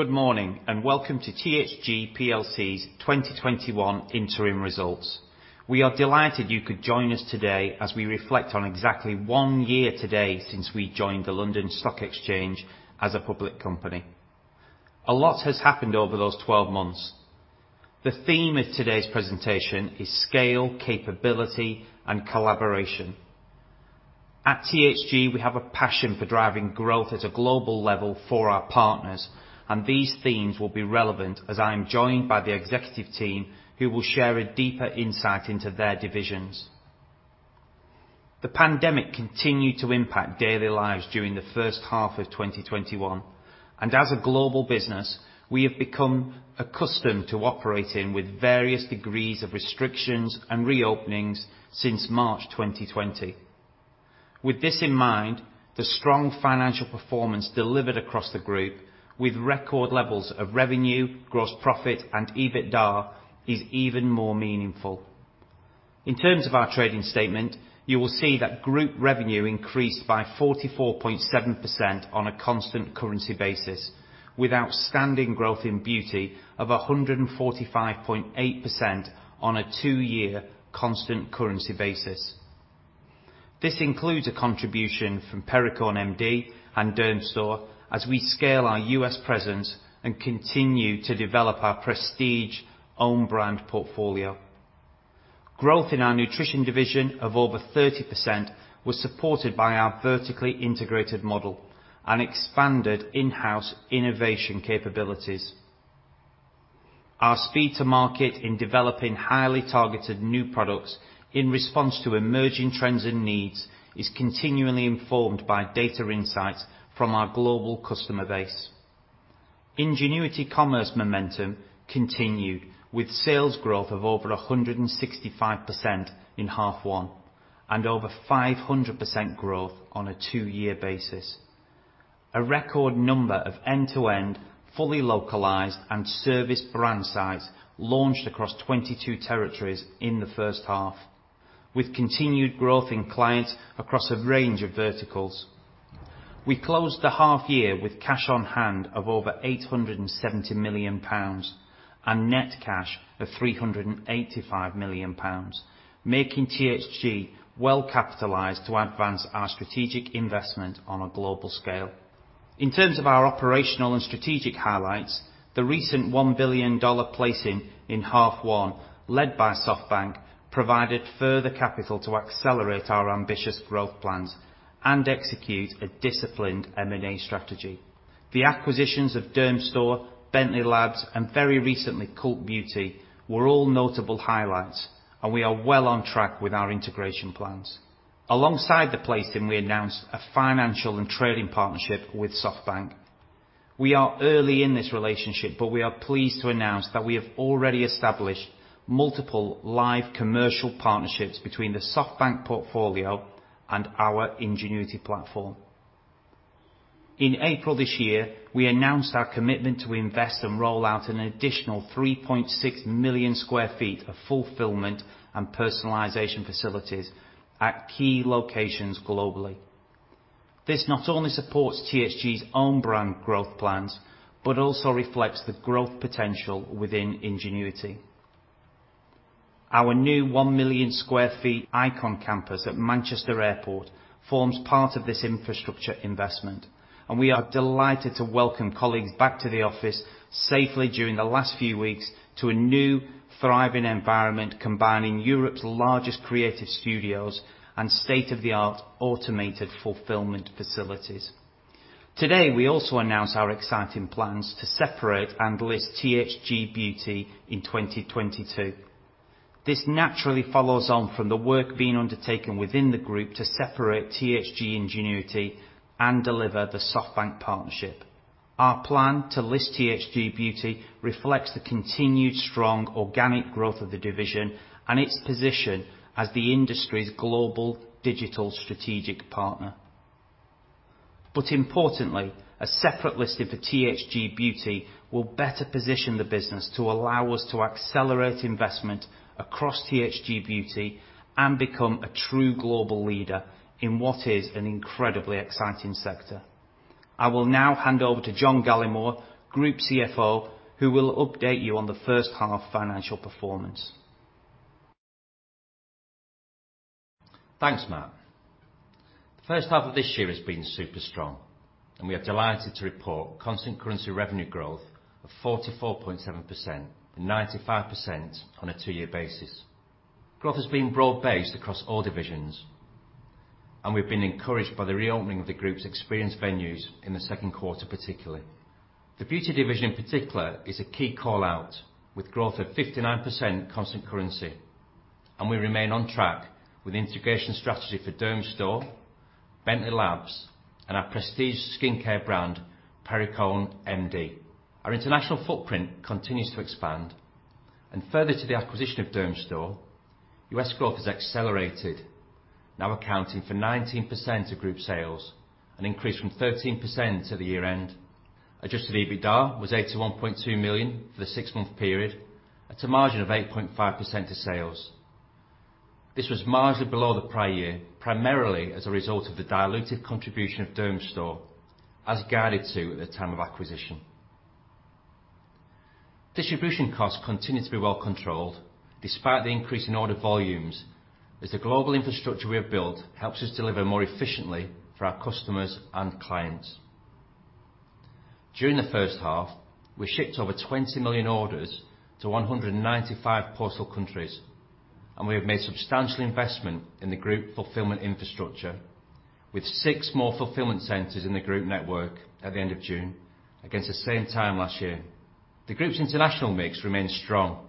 Good morning, welcome to THG plc's 2021 interim results. We are delighted you could join us today as we reflect on exactly one year today since we joined the London Stock Exchange as a public company. A lot has happened over those 12 months. The theme of today's presentation is scale, capability, and collaboration. At THG, we have a passion for driving growth at a global level for our partners, and these themes will be relevant as I am joined by the executive team who will share a deeper insight into their divisions. The pandemic continued to impact daily lives during the first half of 2021, and as a global business, we have become accustomed to operating with various degrees of restrictions and reopenings since March 2020. With this in mind, the strong financial performance delivered across the group, with record levels of revenue, gross profit, and EBITDA, is even more meaningful. In terms of our trading statement, you will see that group revenue increased by 44.7% on a constant currency basis, with outstanding growth in beauty of 145.8% on a two-year constant currency basis. This includes a contribution from Perricone MD and Dermstore as we scale our U.S. presence and continue to develop our prestige own brand portfolio. Growth in our nutrition division of over 30% was supported by our vertically integrated model and expanded in-house innovation capabilities. Our speed to market in developing highly targeted new products in response to emerging trends and needs is continually informed by data insights from our global customer base. Ingenuity commerce momentum continued with sales growth of over 165% in half one and over 500% growth on a two-year basis. A record number of end-to-end, fully localized, and serviced brand sites launched across 22 territories in the first half, with continued growth in clients across a range of verticals. We closed the half year with cash on hand of over 870 million pounds and net cash of 385 million pounds, making THG well capitalized to advance our strategic investment on a global scale. In terms of our operational and strategic highlights, the recent $1 billion placing in half one led by SoftBank provided further capital to accelerate our ambitious growth plans and execute a disciplined M&A strategy. The acquisitions of Dermstore, Bentley Labs, and very recently Cult Beauty, were all notable highlights, and we are well on track with our integration plans. Alongside the placing, we announced a financial and trading partnership with SoftBank. We are early in this relationship, but we are pleased to announce that we have already established multiple live commercial partnerships between the SoftBank portfolio and our Ingenuity platform. In April this year, we announced our commitment to invest and roll out an additional 3.6 million sq ft of fulfillment and personalization facilities at key locations globally. This not only supports THG's own brand growth plans but also reflects the growth potential within Ingenuity. Our new 1,000,000 sq ft ICON Campus at Manchester Airport forms part of this infrastructure investment, and we are delighted to welcome colleagues back to the office safely during the last few weeks to a new thriving environment combining Europe's largest creative studios and state-of-the-art automated fulfillment facilities. Today, we also announce our exciting plans to separate and list THG Beauty in 2022. This naturally follows on from the work being undertaken within the group to separate THG Ingenuity and deliver the SoftBank partnership. Importantly, a separate listing for THG Beauty will better position the business to allow us to accelerate investment across THG Beauty and become a true global leader in what is an incredibly exciting sector. I will now hand over to John Gallemore, Group CFO, who will update you on the first half financial performance. Thanks, Matt. The first half of this year has been super strong, and we are delighted to report constant currency revenue growth of 44.7% and 95% on a two-year basis. Growth has been broad-based across all divisions, and we've been encouraged by the reopening of the group's experience venues in the second quarter, particularly. The Beauty division in particular is a key call-out, with growth of 59% constant currency, and we remain on track with the integration strategy for Dermstore, Bentley Labs, and our prestige skincare brand, Perricone MD. Our international footprint continues to expand, and further to the acquisition of Dermstore, U.S. growth has accelerated, now accounting for 19% of group sales, an increase from 13% at the year-end. Adjusted EBITDA was 81.2 million for the six-month period, at a margin of 8.5% of sales. This was marginally below the prior year, primarily as a result of the dilutive contribution of Dermstore, as guided to at the time of acquisition. Distribution costs continue to be well controlled despite the increase in order volumes, as the global infrastructure we have built helps us deliver more efficiently for our customers and clients. During the first half, we shipped over 20 million orders to 195 postal countries, and we have made substantial investment in the group fulfillment infrastructure, with six more fulfillment centers in the group network at the end of June against the same time last year. The group's international mix remains strong,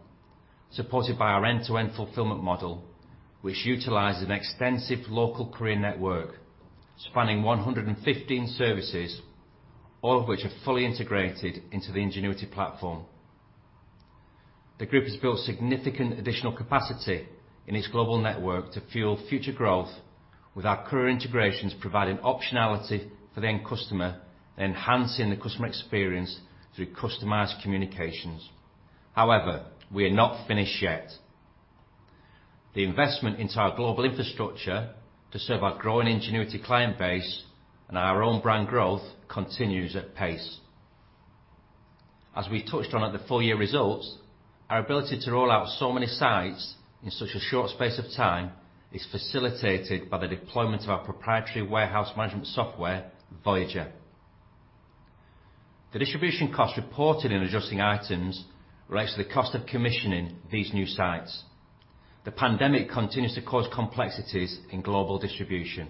supported by our end-to-end fulfillment model, which utilizes an extensive local carrier network spanning 115 services, all of which are fully integrated into the Ingenuity platform. The group has built significant additional capacity in its global network to fuel future growth, with our carrier integrations providing optionality for the end customer, enhancing the customer experience through customized communications. However, we are not finished yet. The investment into our global infrastructure to serve our growing Ingenuity client base and our own brand growth continues at pace. As we touched on at the full year results, our ability to roll out so many sites in such a short space of time is facilitated by the deployment of our proprietary warehouse management software, Voyager. The distribution costs reported in adjusting items relate to the cost of commissioning these new sites. The pandemic continues to cause complexities in global distribution,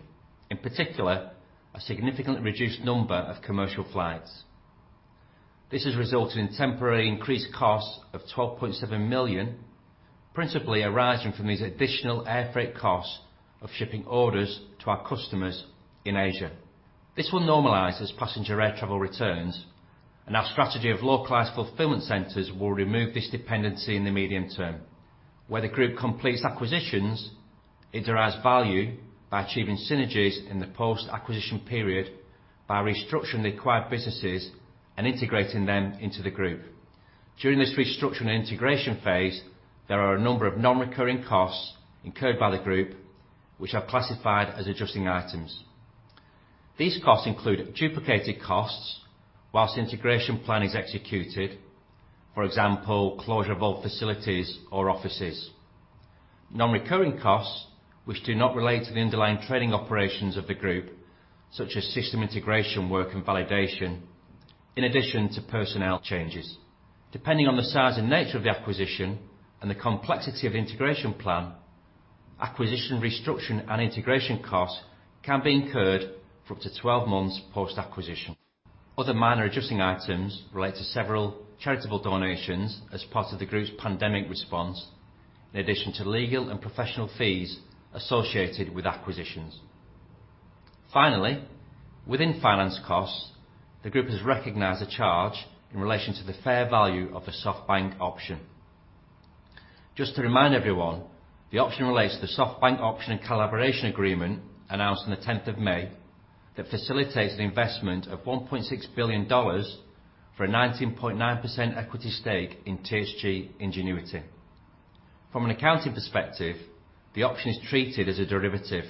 in particular, a significantly reduced number of commercial flights. This has resulted in temporary increased costs of 12.7 million, principally arising from these additional airfreight costs of shipping orders to our customers in Asia. This will normalize as passenger air travel returns, and our strategy of localized fulfillment centers will remove this dependency in the medium term. Where the group completes acquisitions, it derives value by achieving synergies in the post-acquisition period by restructuring the acquired businesses and integrating them into the group. During this restructuring and integration phase, there are a number of non-recurring costs incurred by the group which are classified as adjusting items. These costs include duplicated costs while the integration plan is executed, for example, closure of all facilities or offices, and non-recurring costs, which do not relate to the underlying trading operations of the group, such as system integration work and validation in addition to personnel changes. Depending on the size and nature of the acquisition and the complexity of integration plan, acquisition restructure and integration costs can be incurred for up to 12 months post-acquisition. Other minor adjusting items relate to several charitable donations as part of the group's pandemic response, in addition to legal and professional fees associated with acquisitions. Finally, within finance costs, the group has recognized a charge in relation to the fair value of the SoftBank option. Just to remind everyone, the option relates to the SoftBank option and collaboration agreement announced on the 10th of May that facilitates an investment of $1.6 billion for a 19.9% equity stake in THG Ingenuity. From an accounting perspective, the option is treated as a derivative,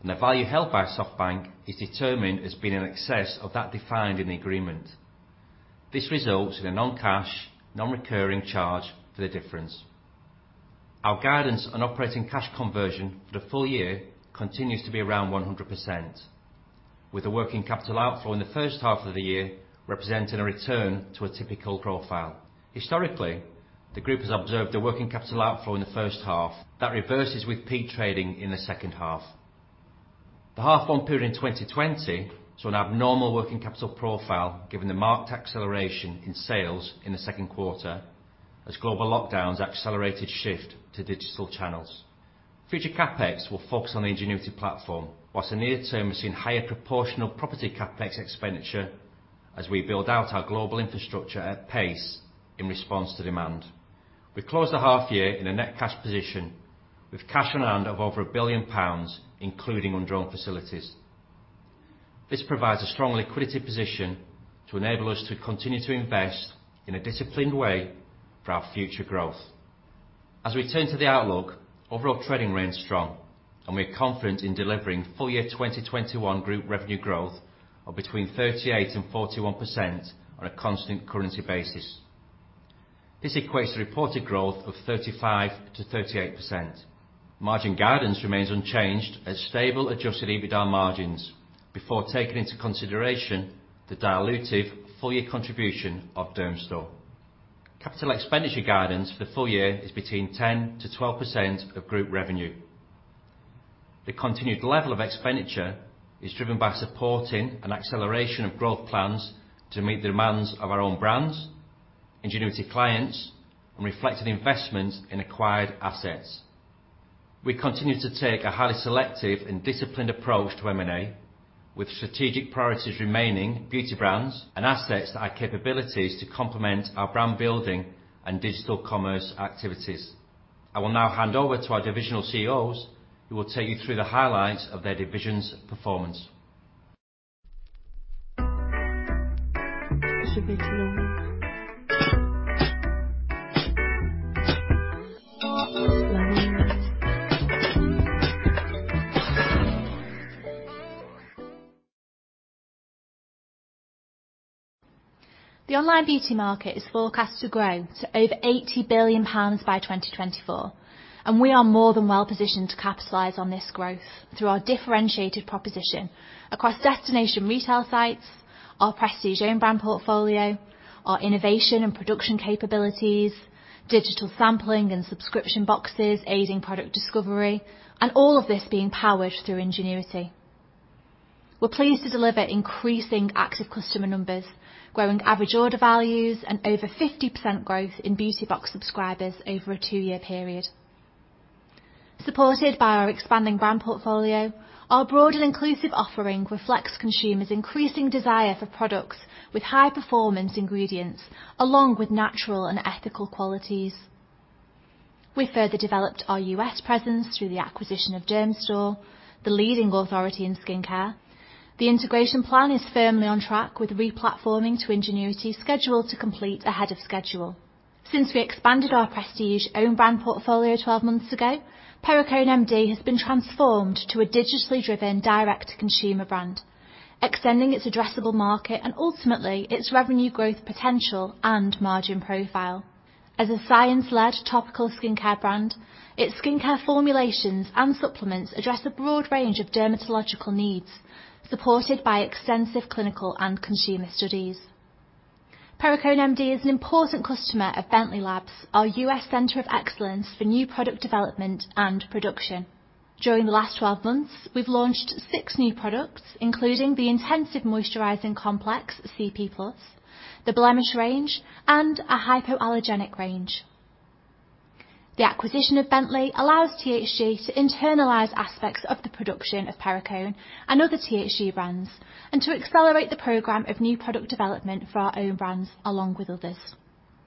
and the value held by SoftBank is determined as being in excess of that defined in the agreement. This results in a non-cash, non-recurring charge for the difference. Our guidance on operating cash conversion for the full year continues to be around 100%, with the working capital outflow in the H1 representing a return to a typical profile. Historically, the group has observed a working capital outflow in the H1 that reverses with peak trading in the H2. The H1 2020 saw an abnormal working capital profile given the marked acceleration in sales in the Q2 as global lockdowns accelerated shift to digital channels. Future CapEx will focus on the THG Ingenuity platform, whilst the near term has seen higher proportional property CapEx expenditure as we build out our global infrastructure at pace in response to demand. We closed the H1 in a net cash position with cash on hand of over 1 billion pounds, including undrawn facilities. This provides a strong liquidity position to enable us to continue to invest in a disciplined way for our future growth. As we turn to the outlook, overall trading remains strong and we are confident in delivering full year 2021 group revenue growth of between 38% and 41% on a constant currency basis. This equates to reported growth of 35% to 38%. Margin guidance remains unchanged at stable adjusted EBITDA margins before taking into consideration the dilutive full year contribution of Dermstore. Capital expenditure guidance for the full year is between 10%-12% of group revenue. The continued level of expenditure is driven by supporting an acceleration of growth plans to meet the demands of our own brands, THG Ingenuity clients, and reflected investments in acquired assets. We continue to take a highly selective and disciplined approach to M&A with strategic priorities remaining beauty brands and assets that add capabilities to complement our brand building and digital commerce activities. I will now hand over to our divisional CEOs who will take you through the highlights of their division's performance. The online beauty market is forecast to grow to over 80 billion pounds by 2024, and we are more than well-positioned to capitalize on this growth through our differentiated proposition across destination retail sites, our prestige own brand portfolio, our innovation and production capabilities, digital sampling and subscription boxes aiding product discovery, and all of this being powered through Ingenuity. We're pleased to deliver increasing active customer numbers, growing average order values, and over 50% growth in beauty box subscribers over a two-year period. Supported by our expanding brand portfolio, our broad and inclusive offering reflects consumers' increasing desire for products with high-performance ingredients along with natural and ethical qualities. We further developed our U.S. presence through the acquisition of Dermstore, the leading authority in skincare. The integration plan is firmly on track with replatforming to Ingenuity scheduled to complete ahead of schedule. Since we expanded our prestige own brand portfolio 12 months ago, Perricone MD has been transformed to a digitally driven direct-to-consumer brand, extending its addressable market and ultimately its revenue growth potential and margin profile. As a science-led topical skincare brand, its skincare formulations and supplements address a broad range of dermatological needs, supported by extensive clinical and consumer studies. Perricone MD is an important customer of Bentley Labs, our U.S. Center of Excellence for new product development and production. During the last 12 months, we've launched six new products, including the intensive moisturizing complex, CT+, the blemish range, and a hypoallergenic range. The acquisition of Bentley allows THG to internalize aspects of the production of Perricone and other THG brands, and to accelerate the program of new product development for our own brands along with others.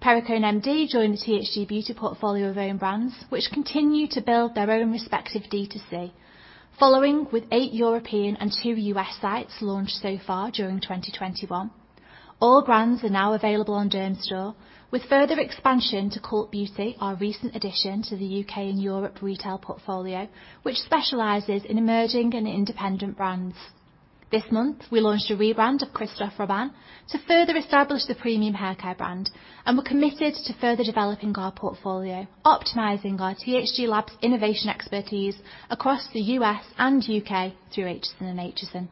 Perricone MD joined the THG Beauty portfolio of own brands which continue to build their own respective D2C, following with eight European and two U.S. sites launched so far during 2021. All brands are now available on Dermstore with further expansion to Cult Beauty, our recent addition to the U.K. and Europe retail portfolio, which specializes in emerging and independent brands. This month, we launched a rebrand of Christophe Robin to further establish the premium haircare brand, and we're committed to further developing our portfolio, optimizing our THG Labs innovation expertise across the U.S. and U.K. through Acheson & Acheson.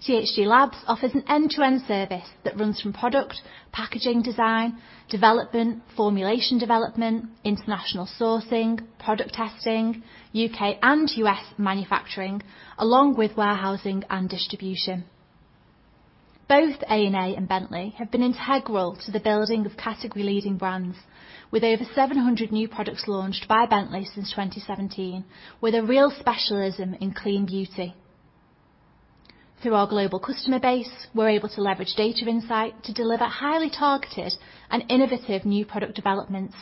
THG Labs offers an end-to-end service that runs from product, packaging design, development, formulation development, international sourcing, product testing, U.K. and U.S. manufacturing, along with warehousing and distribution. Both A&A and Bentley have been integral to the building of category-leading brands with over 700 new products launched by Bentley since 2017, with a real specialism in clean beauty. Through our global customer base, we're able to leverage data insight to deliver highly targeted and innovative new product developments,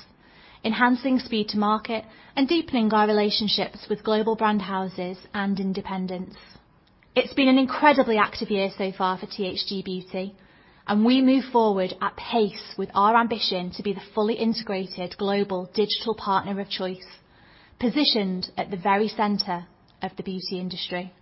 enhancing speed to market, and deepening our relationships with global brand houses and independents. It's been an incredibly active year so far for THG Beauty, and we move forward at pace with our ambition to be the fully integrated global digital partner of choice positioned at the very center of the beauty industry.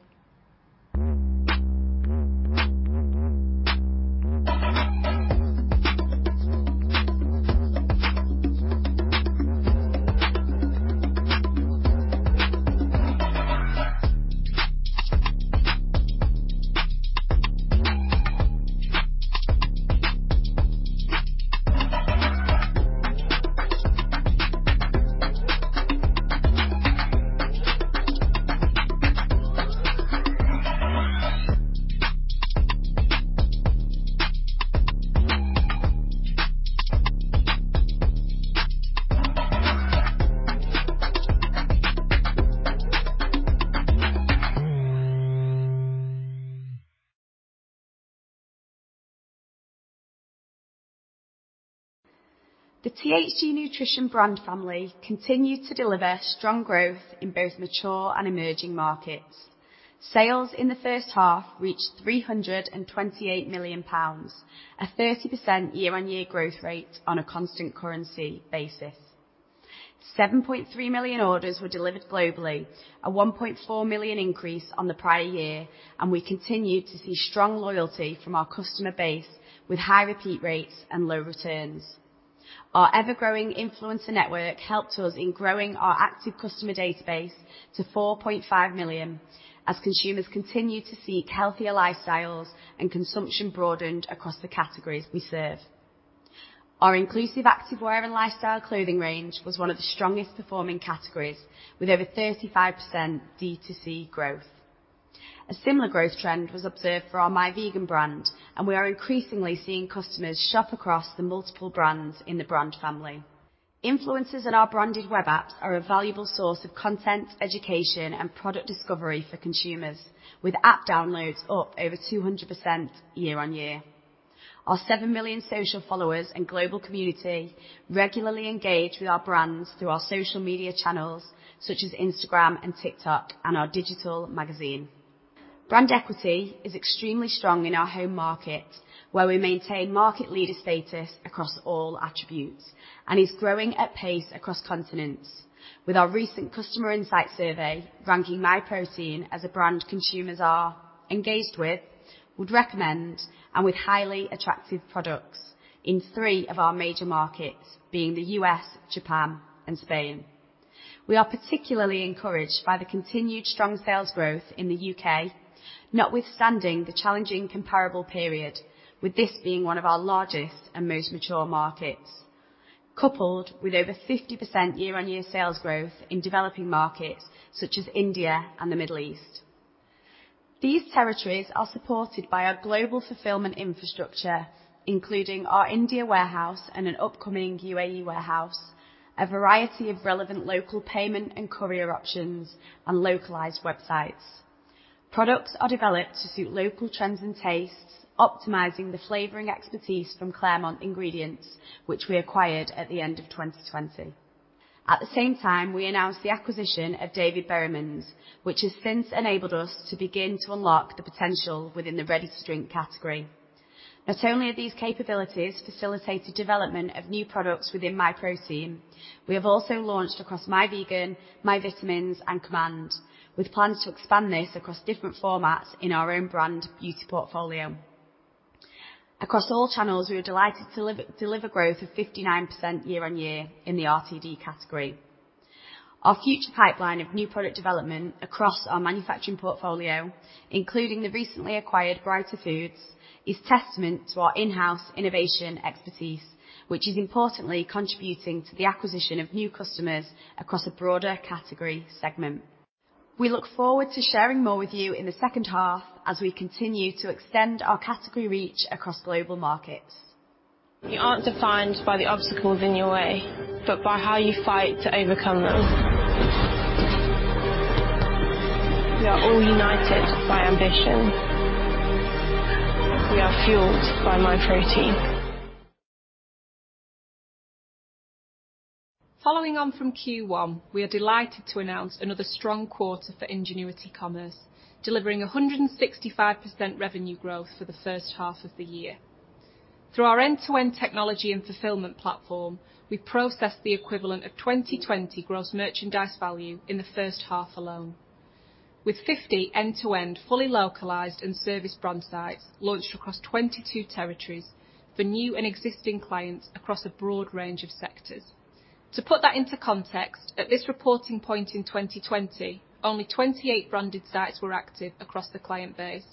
The THG Nutrition brand family continued to deliver strong growth in both mature and emerging markets. Sales in the first half reached 328 million pounds, a 30% year-on-year growth rate on a constant currency basis. 7.3 million orders were delivered globally, a 1.4 million increase on the prior year, and we continue to see strong loyalty from our customer base with high repeat rates and low returns. Our ever-growing influencer network helped us in growing our active customer database to 4.5 million, as consumers continued to seek healthier lifestyles and consumption broadened across the categories we serve. Our inclusive activewear and lifestyle clothing range was one of the strongest performing categories, with over 35% D2C growth. A similar growth trend was observed for our Myvegan brand, and we are increasingly seeing customers shop across the multiple brands in the brand family. Influencers in our branded web apps are a valuable source of content, education, and product discovery for consumers. With app downloads up over 200% year-on-year. Our 7 million social followers and global community regularly engage with our brands through our social media channels such as Instagram and TikTok and our digital magazine. Brand equity is extremely strong in our home market, where we maintain market leader status across all attributes, and is growing at pace across continents. With our recent customer insight survey ranking Myprotein as a brand consumers are engaged with, would recommend, and with highly attractive products in three of our major markets, being the U.S., Japan, and Spain. We are particularly encouraged by the continued strong sales growth in the U.K., notwithstanding the challenging comparable period, with this being one of our largest and most mature markets, coupled with over 50% year-on-year sales growth in developing markets such as India and the Middle East. These territories are supported by our global fulfillment infrastructure, including our India warehouse and an upcoming UAE warehouse, a variety of relevant local payment and courier options, and localized websites. Products are developed to suit local trends and tastes, optimizing the flavoring expertise from Claremont Ingredients, which we acquired at the end of 2020. At the same time, we announced the acquisition of David Berryman, which has since enabled us to begin to unlock the potential within the ready-to-drink category. Not only are these capabilities facilitating development of new products within Myprotein, we have also launched across Myvegan, Myvitamins, and Command, with plans to expand this across different formats in our own brand beauty portfolio. Across all channels, we are delighted to deliver growth of 59% year-on-year in the RTD category. Our future pipeline of new product development across our manufacturing portfolio, including the recently acquired Brighter Foods, is testament to our in-house innovation expertise, which is importantly contributing to the acquisition of new customers across a broader category segment. We look forward to sharing more with you in the second half as we continue to extend our category reach across global markets. You aren't defined by the obstacles in your way, but by how you fight to overcome them. We are all united by ambition. We are fueled by Myprotein. Following on from Q1, we are delighted to announce another strong quarter for Ingenuity Commerce, delivering 165% revenue growth for the first half of the year. Through our end-to-end technology and fulfillment platform, we processed the equivalent of 2020 gross merchandise value in the first half alone. With 50 end-to-end fully localized and serviced brand sites launched across 22 territories for new and existing clients across a broad range of sectors. To put that into context, at this reporting point in 2020, only 28 branded sites were active across the client base,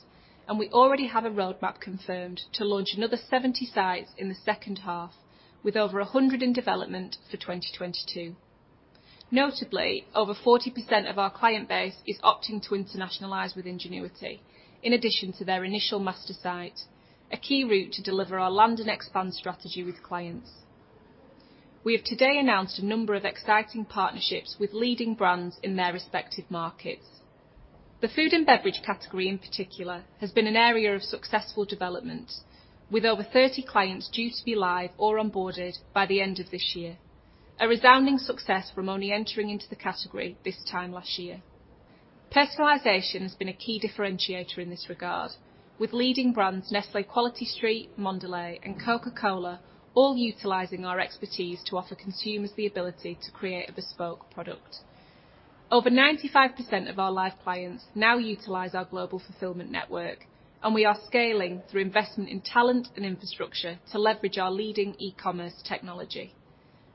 and we already have a roadmap confirmed to launch another 70 sites in the second half, with over 100 in development for 2022. Notably, over 40% of our client base is opting to internationalize with Ingenuity in addition to their initial master site, a key route to deliver our land and expand strategy with clients. We have today announced a number of exciting partnerships with leading brands in their respective markets. The food and beverage category, in particular, has been an area of successful development, with over 30 clients due to be live or onboarded by the end of this year. A resounding success from only entering into the category this time last year. Personalization has been a key differentiator in this regard, with leading brands Nestlé Quality Street, Mondelēz, and Coca-Cola all utilizing our expertise to offer consumers the ability to create a bespoke product. Over 95% of our live clients now utilize our global fulfillment network, and we are scaling through investment in talent and infrastructure to leverage our leading e-commerce technology.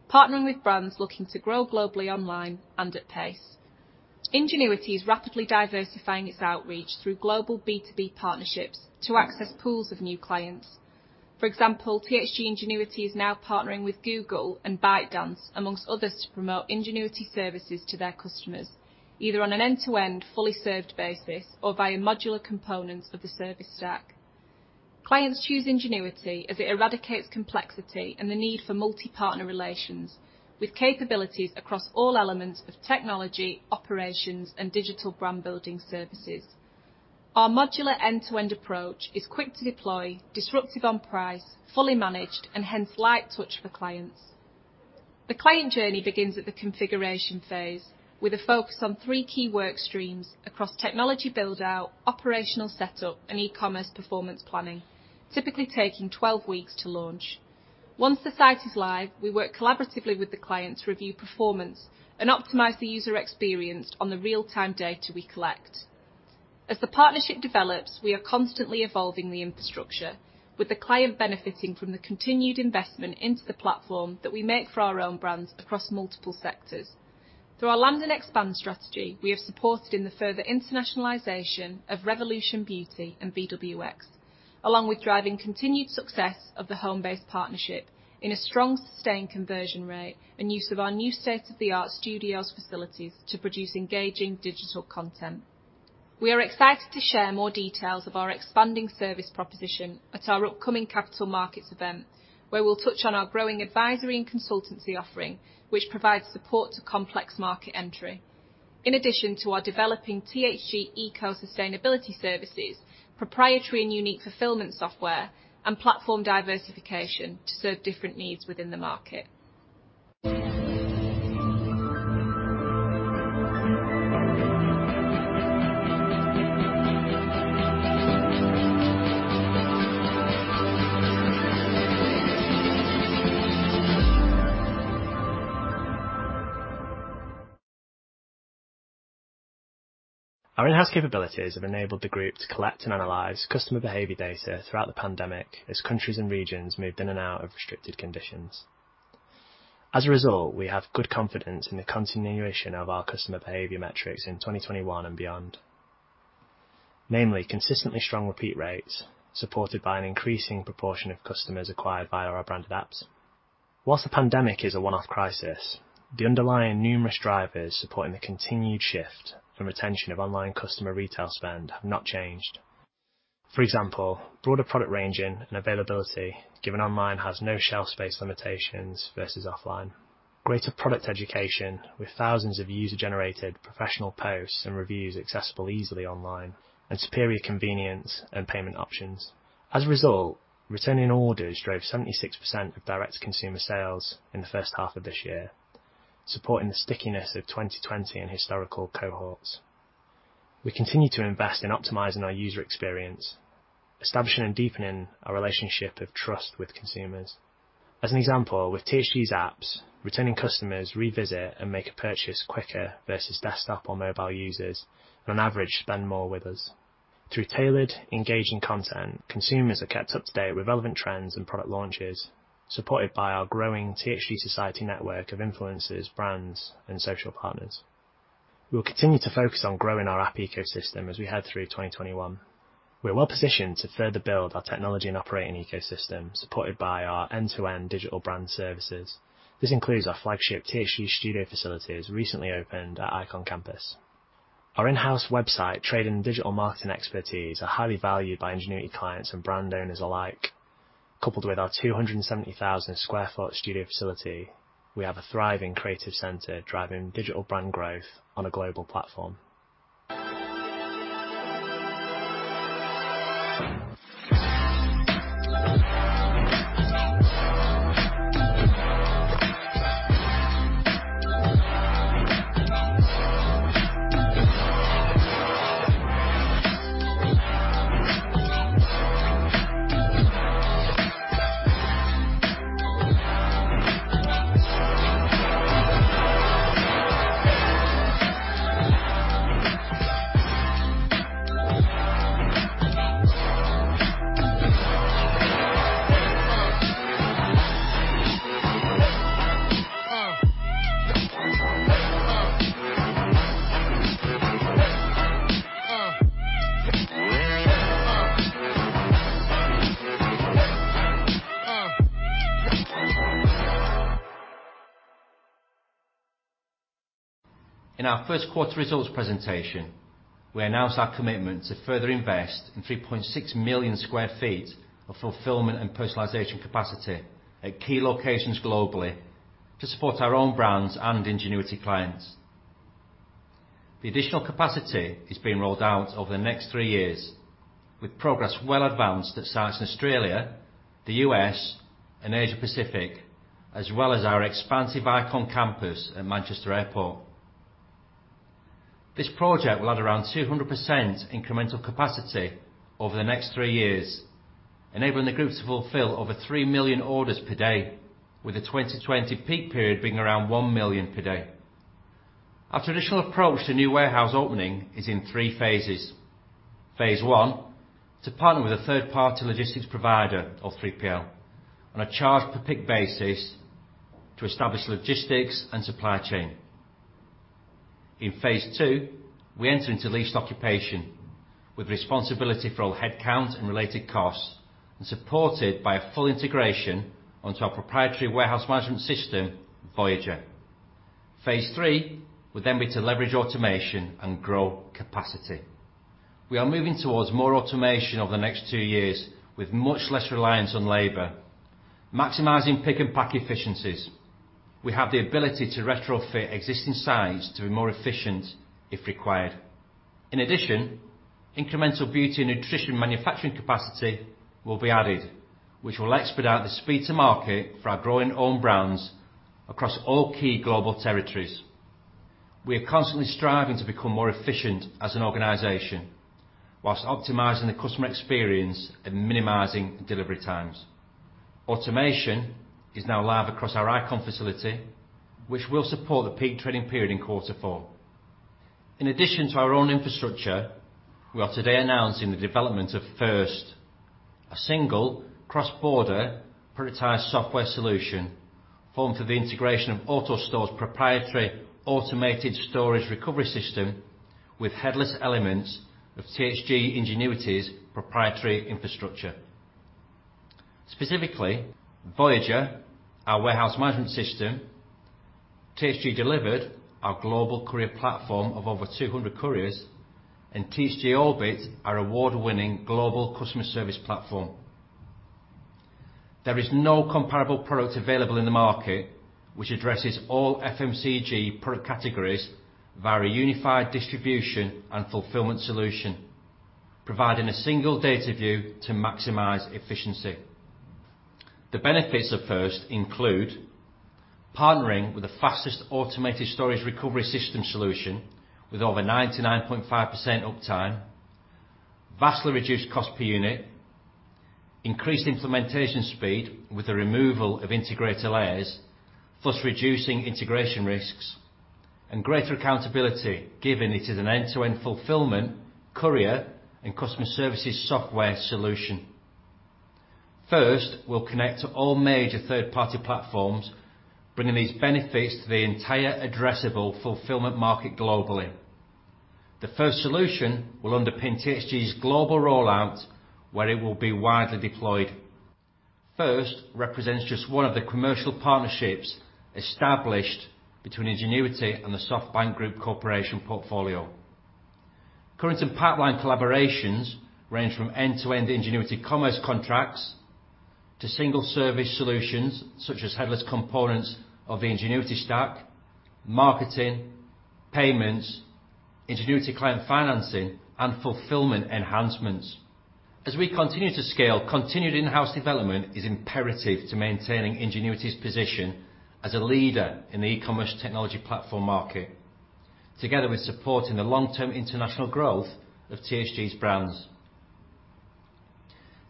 Partnering with brands looking to grow globally online and at pace. Ingenuity is rapidly diversifying its outreach through global B2B partnerships to access pools of new clients. For example, THG Ingenuity is now partnering with Google and ByteDance amongst others to promote Ingenuity services to their customers, either on an end-to-end fully served basis or via modular components of the service stack. Clients choose Ingenuity as it eradicates complexity and the need for multi-partner relations with capabilities across all elements of technology, operations, and digital brand building services. Our modular end-to-end approach is quick to deploy, disruptive on price, fully managed, and hence light touch for clients. The client journey begins at the configuration phase with a focus on three key work streams across technology build-out, operational setup, and e-commerce performance planning, typically taking 12 weeks to launch. Once the site is live, we work collaboratively with the client to review performance and optimize the user experience on the real-time data we collect. As the partnership develops, we are constantly evolving the infrastructure with the client benefiting from the continued investment into the platform that we make for our own brands across multiple sectors. Through our land and expand strategy, we have supported in the further internationalization of Revolution Beauty and BWX, along with driving continued success of the Homebase partnership in a strong sustained conversion rate and use of our new state-of-the-art studios facilities to produce engaging digital content. We are excited to share more details of our expanding service proposition at our upcoming capital markets event, where we'll touch on our growing advisory and consultancy offering, which provides support to complex market entry. In addition to our developing THG Eco-sustainability services, proprietary and unique fulfillment software, and platform diversification to serve different needs within the market. Our in-house capabilities have enabled the group to collect and analyze customer behavior data throughout the pandemic as countries and regions moved in and out of restricted conditions. As a result, we have good confidence in the continuation of our customer behavior metrics in 2021 and beyond. Namely, consistently strong repeat rates supported by an increasing proportion of customers acquired by our branded apps. Whilst the pandemic is a one-off crisis, the underlying numerous drivers supporting the continued shift from retention of online customer retail spend have not changed. For example, broader product ranging and availability given online has no shelf space limitations versus offline, greater product education with thousands of user-generated professional posts and reviews accessible easily online, and superior convenience and payment options. As a result, returning orders drove 76% of direct consumer sales in the first half of this year, supporting the stickiness of 2020 and historical cohorts. We continue to invest in optimizing our user experience, establishing and deepening our relationship of trust with consumers. As an example, with THG's apps, returning customers revisit and make a purchase quicker versus desktop or mobile users, and on average, spend more with us. Through tailored, engaging content, consumers are kept up to date with relevant trends and product launches, supported by our growing THG Society network of influencers, brands, and social partners. We'll continue to focus on growing our app ecosystem as we head through 2021. We're well-positioned to further build our technology and operating ecosystem supported by our end-to-end digital brand services. This includes our flagship THG Studio facilities recently opened at ICON Campus Our in-house website trade and digital marketing expertise are highly valued by Ingenuity clients and brand owners alike. Coupled with our 270,000 sq ft studio facility, we have a thriving creative center driving digital brand growth on a global platform. In our first quarter results presentation, we announced our commitment to further invest in 3.6 million sq ft of fulfillment and personalization capacity at key locations globally to support our own brands and the Ingenuity clients. The additional capacity is being rolled out over the next three years with progress well advanced at sites in Australia, the U.S., and Asia Pacific, as well as our expansive ICON Campus at Manchester Airport. This project will add around 200% incremental capacity over the next three years, enabling the group to fulfill over 3 million orders per day with the 2020 peak period being around 1 million per day. Our traditional approach to new warehouse opening is in three phases. Phase 1, to partner with a third-party logistics provider, or 3PL, on a charge per pick basis to establish logistics and supply chain. In Phase 2, we enter into leased occupation with responsibility for all headcount and related costs, and supported by a full integration onto our proprietary warehouse management system, Voyager. Phase 3 would then be to leverage automation and grow capacity. We are moving towards more automation over the next two years with much less reliance on labor, maximizing pick and pack efficiencies. We have the ability to retrofit existing sites to be more efficient if required. In addition, incremental beauty and nutrition manufacturing capacity will be added, which will expedite the speed to market for our growing own brands across all key global territories. We are constantly striving to become more efficient as an organization whilst optimizing the customer experience and minimizing delivery times. Automation is now live across our ICON facility, which will support the peak trading period in quarter four. In addition to our own infrastructure, we are today announcing the development of FIR/ST, a single cross-border prioritized software solution formed through the integration of AutoStore's proprietary automated storage recovery system with headless elements of THG Ingenuity's proprietary infrastructure. Specifically, Voyager, our warehouse management system, THG Delivered, our global courier platform of over 200 couriers, and THG Orbit, our award-winning global customer service platform. There is no comparable product available in the market which addresses all FMCG product categories via a unified distribution and fulfillment solution, providing a single data view to maximize efficiency. The benefits of FIR/ST include partnering with the fastest automated storage recovery system solution with over 99.5% uptime, vastly reduced cost per unit, increased implementation speed with the removal of integrator layers, thus reducing integration risks, and greater accountability, given it is an end-to-end fulfillment courier and customer services software solution. FIR/ST will connect to all major third-party platforms, bringing these benefits to the entire addressable fulfillment market globally. The FIR/ST solution will underpin THG's global rollout, where it will be widely deployed. FIR/ST represents just one of the commercial partnerships established between Ingenuity and the SoftBank Group Corporation portfolio. Current and pipeline collaborations range from end-to-end Ingenuity Commerce contracts to single service solutions, such as headless components of the Ingenuity stack, marketing, payments, Ingenuity client financing, and fulfillment enhancements. As we continue to scale, continued in-house development is imperative to maintaining Ingenuity's position as a leader in the e-commerce technology platform market, together with supporting the long-term international growth of THG's brands.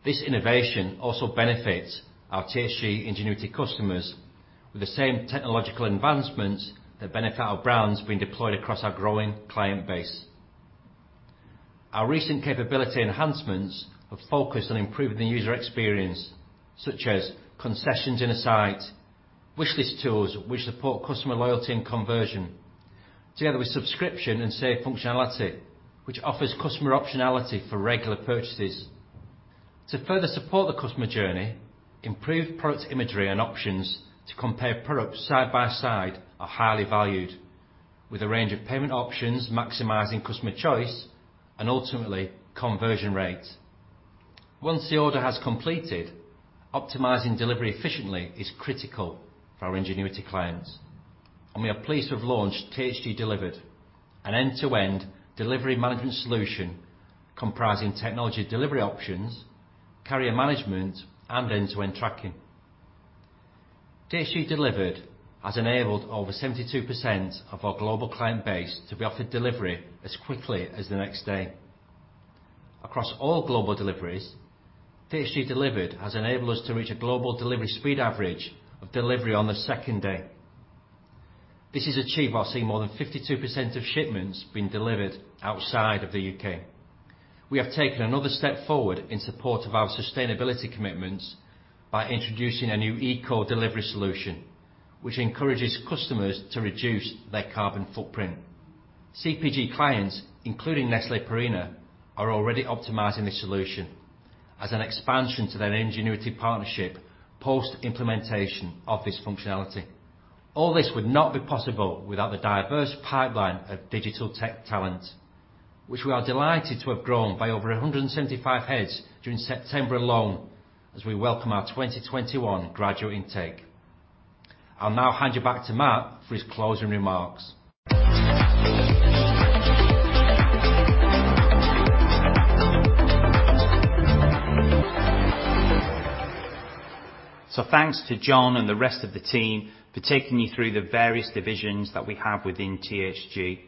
This innovation also benefits our THG Ingenuity customers with the same technological advancements that benefit our brands being deployed across our growing client base. Our recent capability enhancements have focused on improving the user experience, such as concessions in a site, wish list tools which support customer loyalty and conversion, together with subscription and save functionality, which offers customer optionality for regular purchases. To further support the customer journey, improved product imagery and options to compare products side by side are highly valued, with a range of payment options maximizing customer choice and ultimately conversion rates. Once the order has completed, optimizing delivery efficiently is critical for our Ingenuity clients, and we are pleased to have launched THG Delivered, an end-to-end delivery management solution comprising technology delivery options, carrier management, and end-to-end tracking. THG Delivered has enabled over 72% of our global client base to be offered delivery as quickly as the next day. Across all global deliveries, THG Delivered has enabled us to reach a global delivery speed average of delivery on the second day. This is achieved while seeing more than 52% of shipments being delivered outside of the U.K. We have taken another step forward in support of our sustainability commitments by introducing a new eco delivery solution which encourages customers to reduce their carbon footprint. CPG clients, including Nestlé Purina, are already optimizing this solution as an expansion to their Ingenuity partnership post-implementation of this functionality. All this would not be possible without the diverse pipeline of digital tech talent, which we are delighted to have grown by over 175 heads during September alone, as we welcome our 2021 graduate intake. I'll now hand you back to Matt for his closing remarks. Thanks to John and the rest of the team for taking you through the various divisions that we have within THG.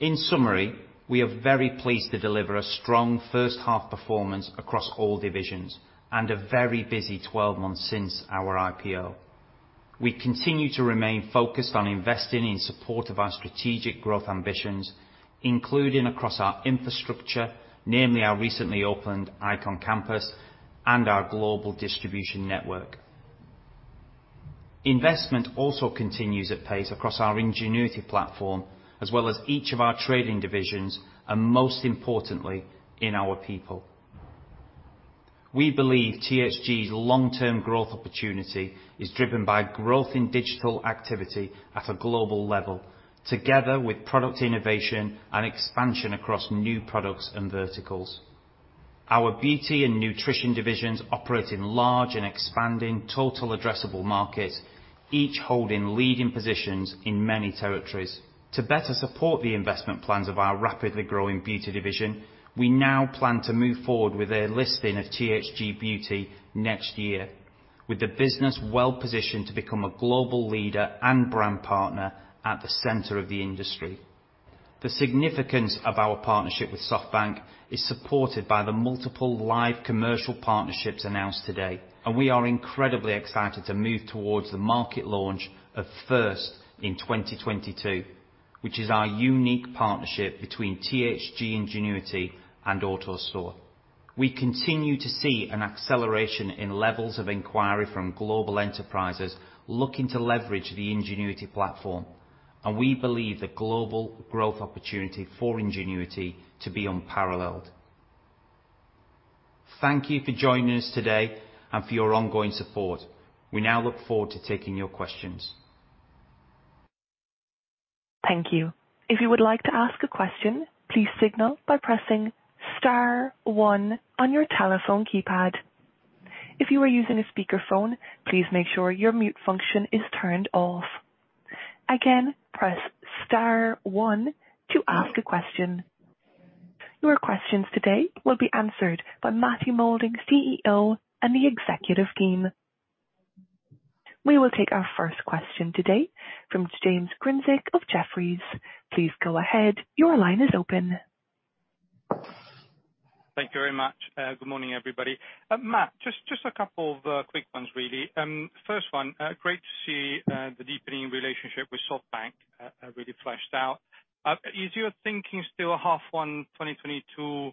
In summary, we are very pleased to deliver a strong first half performance across all divisions, and a very busy 12 months since our IPO. We continue to remain focused on investing in support of our strategic growth ambitions, including across our infrastructure, namely our recently opened ICON Campus and our global distribution network. Investment also continues at pace across our Ingenuity platform, as well as each of our trading divisions, and most importantly, in our people. We believe THG's long-term growth opportunity is driven by growth in digital activity at a global level, together with product innovation and expansion across new products and verticals. Our Beauty and Nutrition divisions operate in large and expanding total addressable markets, each holding leading positions in many territories. To better support the investment plans of our rapidly growing Beauty division, we now plan to move forward with a listing of THG Beauty next year, with the business well positioned to become a global leader and brand partner at the center of the industry. The significance of our partnership with SoftBank is supported by the multiple live commercial partnerships announced today, and we are incredibly excited to move towards the market launch of FIR/ST in 2022, which is our unique partnership between THG Ingenuity and AutoStore. We continue to see an acceleration in levels of inquiry from global enterprises looking to leverage the Ingenuity platform, and we believe the global growth opportunity for Ingenuity to be unparalleled. Thank you for joining us today and for your ongoing support. We now look forward to taking your questions. Thank you. If you would like to ask a question, please signal by pressing star one on your telephone keypad. If you are using a speakerphone, please make sure your mute function is turned off. Again, press star one to ask a question. Your questions today will be answered by Matthew Moulding, CEO, and the executive team. We will take our first question today from James Grzinic of Jefferies. Please go ahead. Your line is open. Thank you very much. Good morning, everybody. Matt, just a couple of quick ones really. First one, great to see the deepening relationship with SoftBank really fleshed out. Is your thinking still half one 2022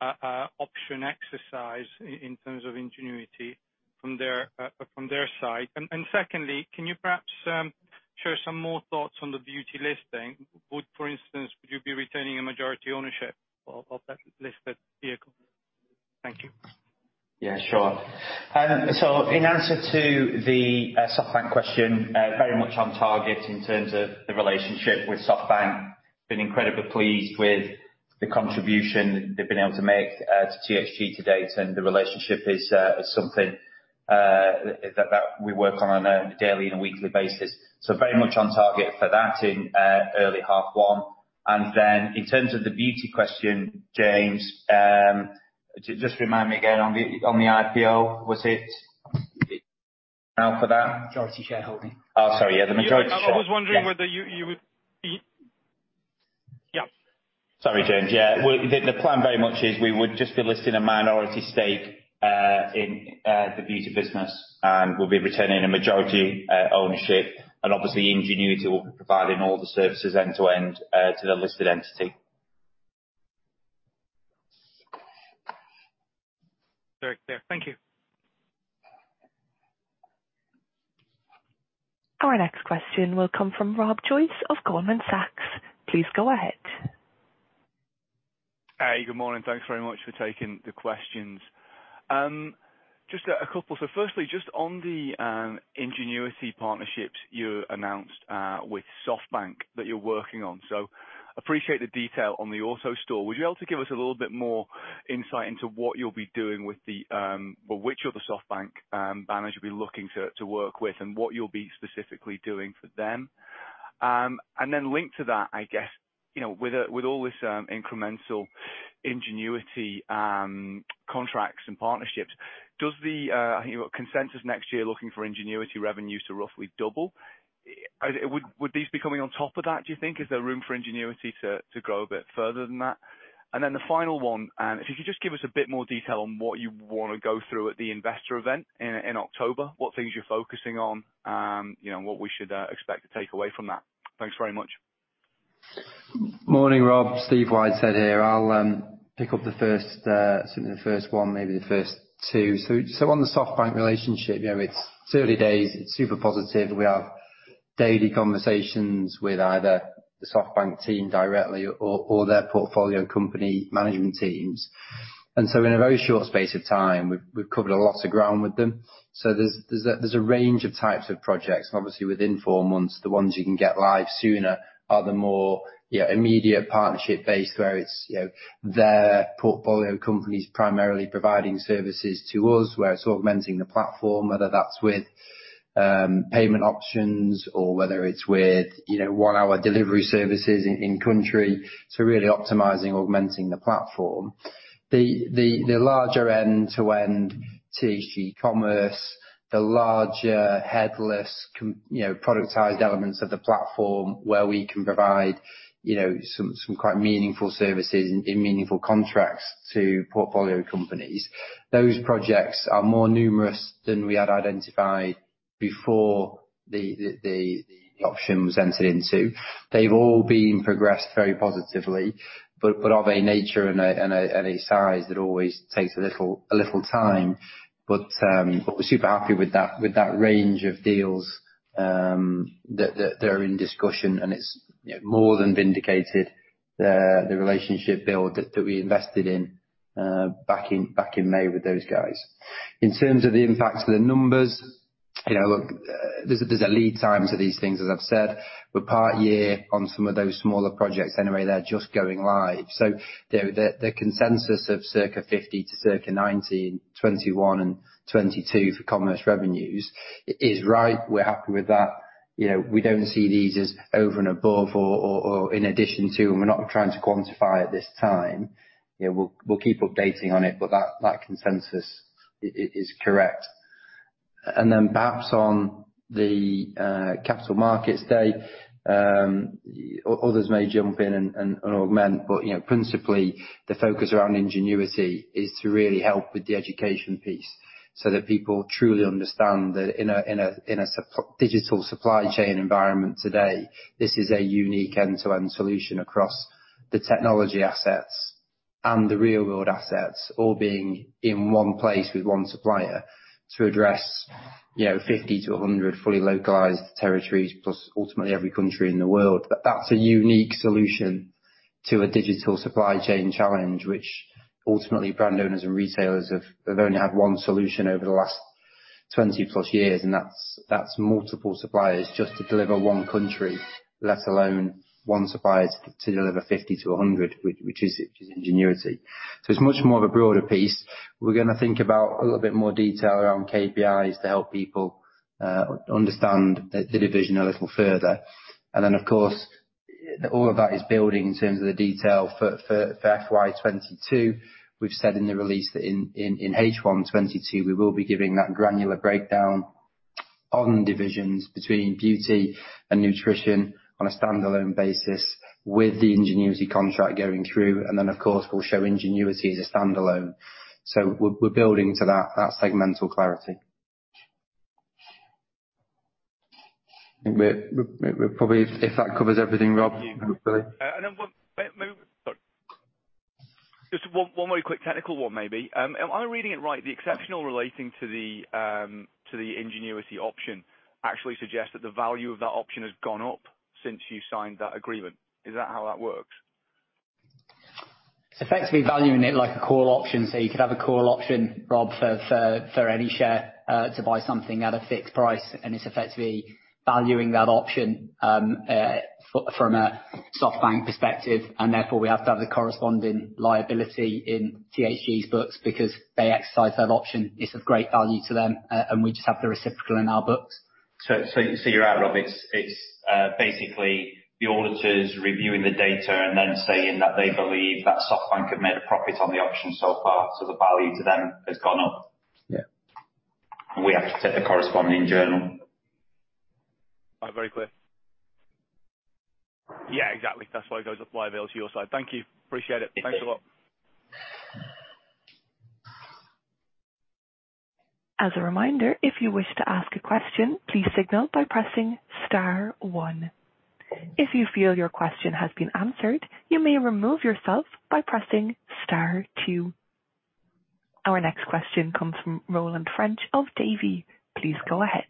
option exercise in terms of Ingenuity from their side? Secondly, can you perhaps share some more thoughts on the Beauty listing? For instance, would you be retaining a majority ownership of that listed vehicle? Thank you. Yeah, sure. In answer to the SoftBank question, very much on target in terms of the relationship with SoftBank. Been incredibly pleased with the contribution they've been able to make to THG to date. The relationship is something that we work on on a daily and weekly basis. Very much on target for that in early half one. In terms of the Beauty question, James, just remind me again on the IPO, was it for that? Majority shareholding. Oh, sorry. Yeah, the majority- I was wondering whether you would. Yeah. Sorry, James. Yeah. The plan very much is we would just be listing a minority stake in the Beauty business, and we'll be retaining a majority ownership, and obviously Ingenuity will be providing all the services end-to-end to the listed entity. Very clear. Thank you. Our next question will come from Rob Joyce of Goldman Sachs. Please go ahead. Hey, good morning. Thanks very much for taking the questions. Just a couple. Firstly, just on the Ingenuity partnerships you announced with SoftBank that you're working on. Appreciate the detail on the AutoStore. Would you be able to give us a little bit more insight into what you'll be doing or which of the SoftBank banners you'll be looking to work with and what you'll be specifically doing for them? Linked to that, I guess, with all this incremental Ingenuity contracts and partnerships, I think consensus next year looking for Ingenuity revenues to roughly double. Would these be coming on top of that, do you think? Is there room for Ingenuity to grow a bit further than that? The final 1, if you could just give us a bit more detail on what you want to go through at the investor event in October, what things you're focusing on, what we should expect to take away from that. Thanks very much. Morning, Rob. Steve Whitehead here. I'll pick up the first one, maybe the first two. On the SoftBank relationship, it's early days, it's super positive. We have daily conversations with either the SoftBank team directly or their portfolio and company management teams. In a very short space of time, we've covered a lot of ground with them. There's a range of types of projects. Obviously within four months, the ones you can get live sooner are the more immediate partnership base where it's their portfolio companies primarily providing services to us, where it's augmenting the platform, whether that's with payment options or whether it's with one-hour delivery services in country. Really optimizing, augmenting the platform. The larger end-to-end THG Commerce, the larger headless productized elements of the platform where we can provide some quite meaningful services in meaningful contracts to portfolio companies. Those projects are more numerous than we had identified before the option was entered into. They've all been progressed very positively, but of a nature and a size that always takes a little time. We're super happy with that range of deals that are in discussion, and it's more than vindicated the relationship build that we invested in back in May with those guys. In terms of the impact to the numbers, there's a lead time to these things, as I've said. We're part year on some of those smaller projects anyway. They're just going live. The consensus of circa 50 to circa 90 in 2021 and 2022 for commerce revenues is right. We're happy with that. We don't see these as over and above or in addition to, and we're not trying to quantify at this time. We'll keep updating on it, that consensus is correct. Perhaps on the capital markets day, others may jump in and augment, but principally the focus around THG Ingenuity is to really help with the education piece so that people truly understand that in a digital supply chain environment today, this is a unique end-to-end solution across the technology assets and the real-world assets all being in one place with one supplier to address 50 to 100 fully localized territories plus ultimately every country in the world. That's a unique solution to a digital supply chain challenge which ultimately brand owners and retailers have only had one solution over the last 20 plus years, and that's multiple suppliers just to deliver 1 country, let alone one supplier to deliver 50 to 100, which is THG Ingenuity. It's much more of a broader piece. We're going to think about a little bit more detail around KPIs to help people understand the division a little further. Then, of course, all of that is building in terms of the detail for FY 2022. We've said in the release that in H1 2022, we will be giving that granular breakdown on divisions between Beauty and Nutrition on a standalone basis with the Ingenuity contract going through. Then, of course, we'll show Ingenuity as a standalone. We're building to that segmental clarity. If that covers everything, Rob? Sorry. Just one more quick technical one maybe. Am I reading it right, the exceptional relating to the Ingenuity option actually suggests that the value of that option has gone up since you signed that agreement? Is that how that works? It's effectively valuing it like a call option. You could have a call option, Rob, for any share, to buy something at a fixed price, and it's effectively valuing that option from a SoftBank perspective, and therefore, we have to have the corresponding liability in THG's books because they exercise that option. It's of great value to them, and we just have the reciprocal in our books. You're right, Rob. It's basically the auditors reviewing the data and then saying that they believe that SoftBank have made a profit on the option so far, so the value to them has gone up. Yeah. We have to take the corresponding journal. Very clear. Yeah, exactly. That's why it goes up via bill to your side. Thank you. Appreciate it. Thanks a lot. As a reminder, if you wish to ask a question, please signal by pressing star one. If you feel your question has been answered, you may remove yourself by pressing star two. Our next question comes from Roland French of Davy. Please go ahead.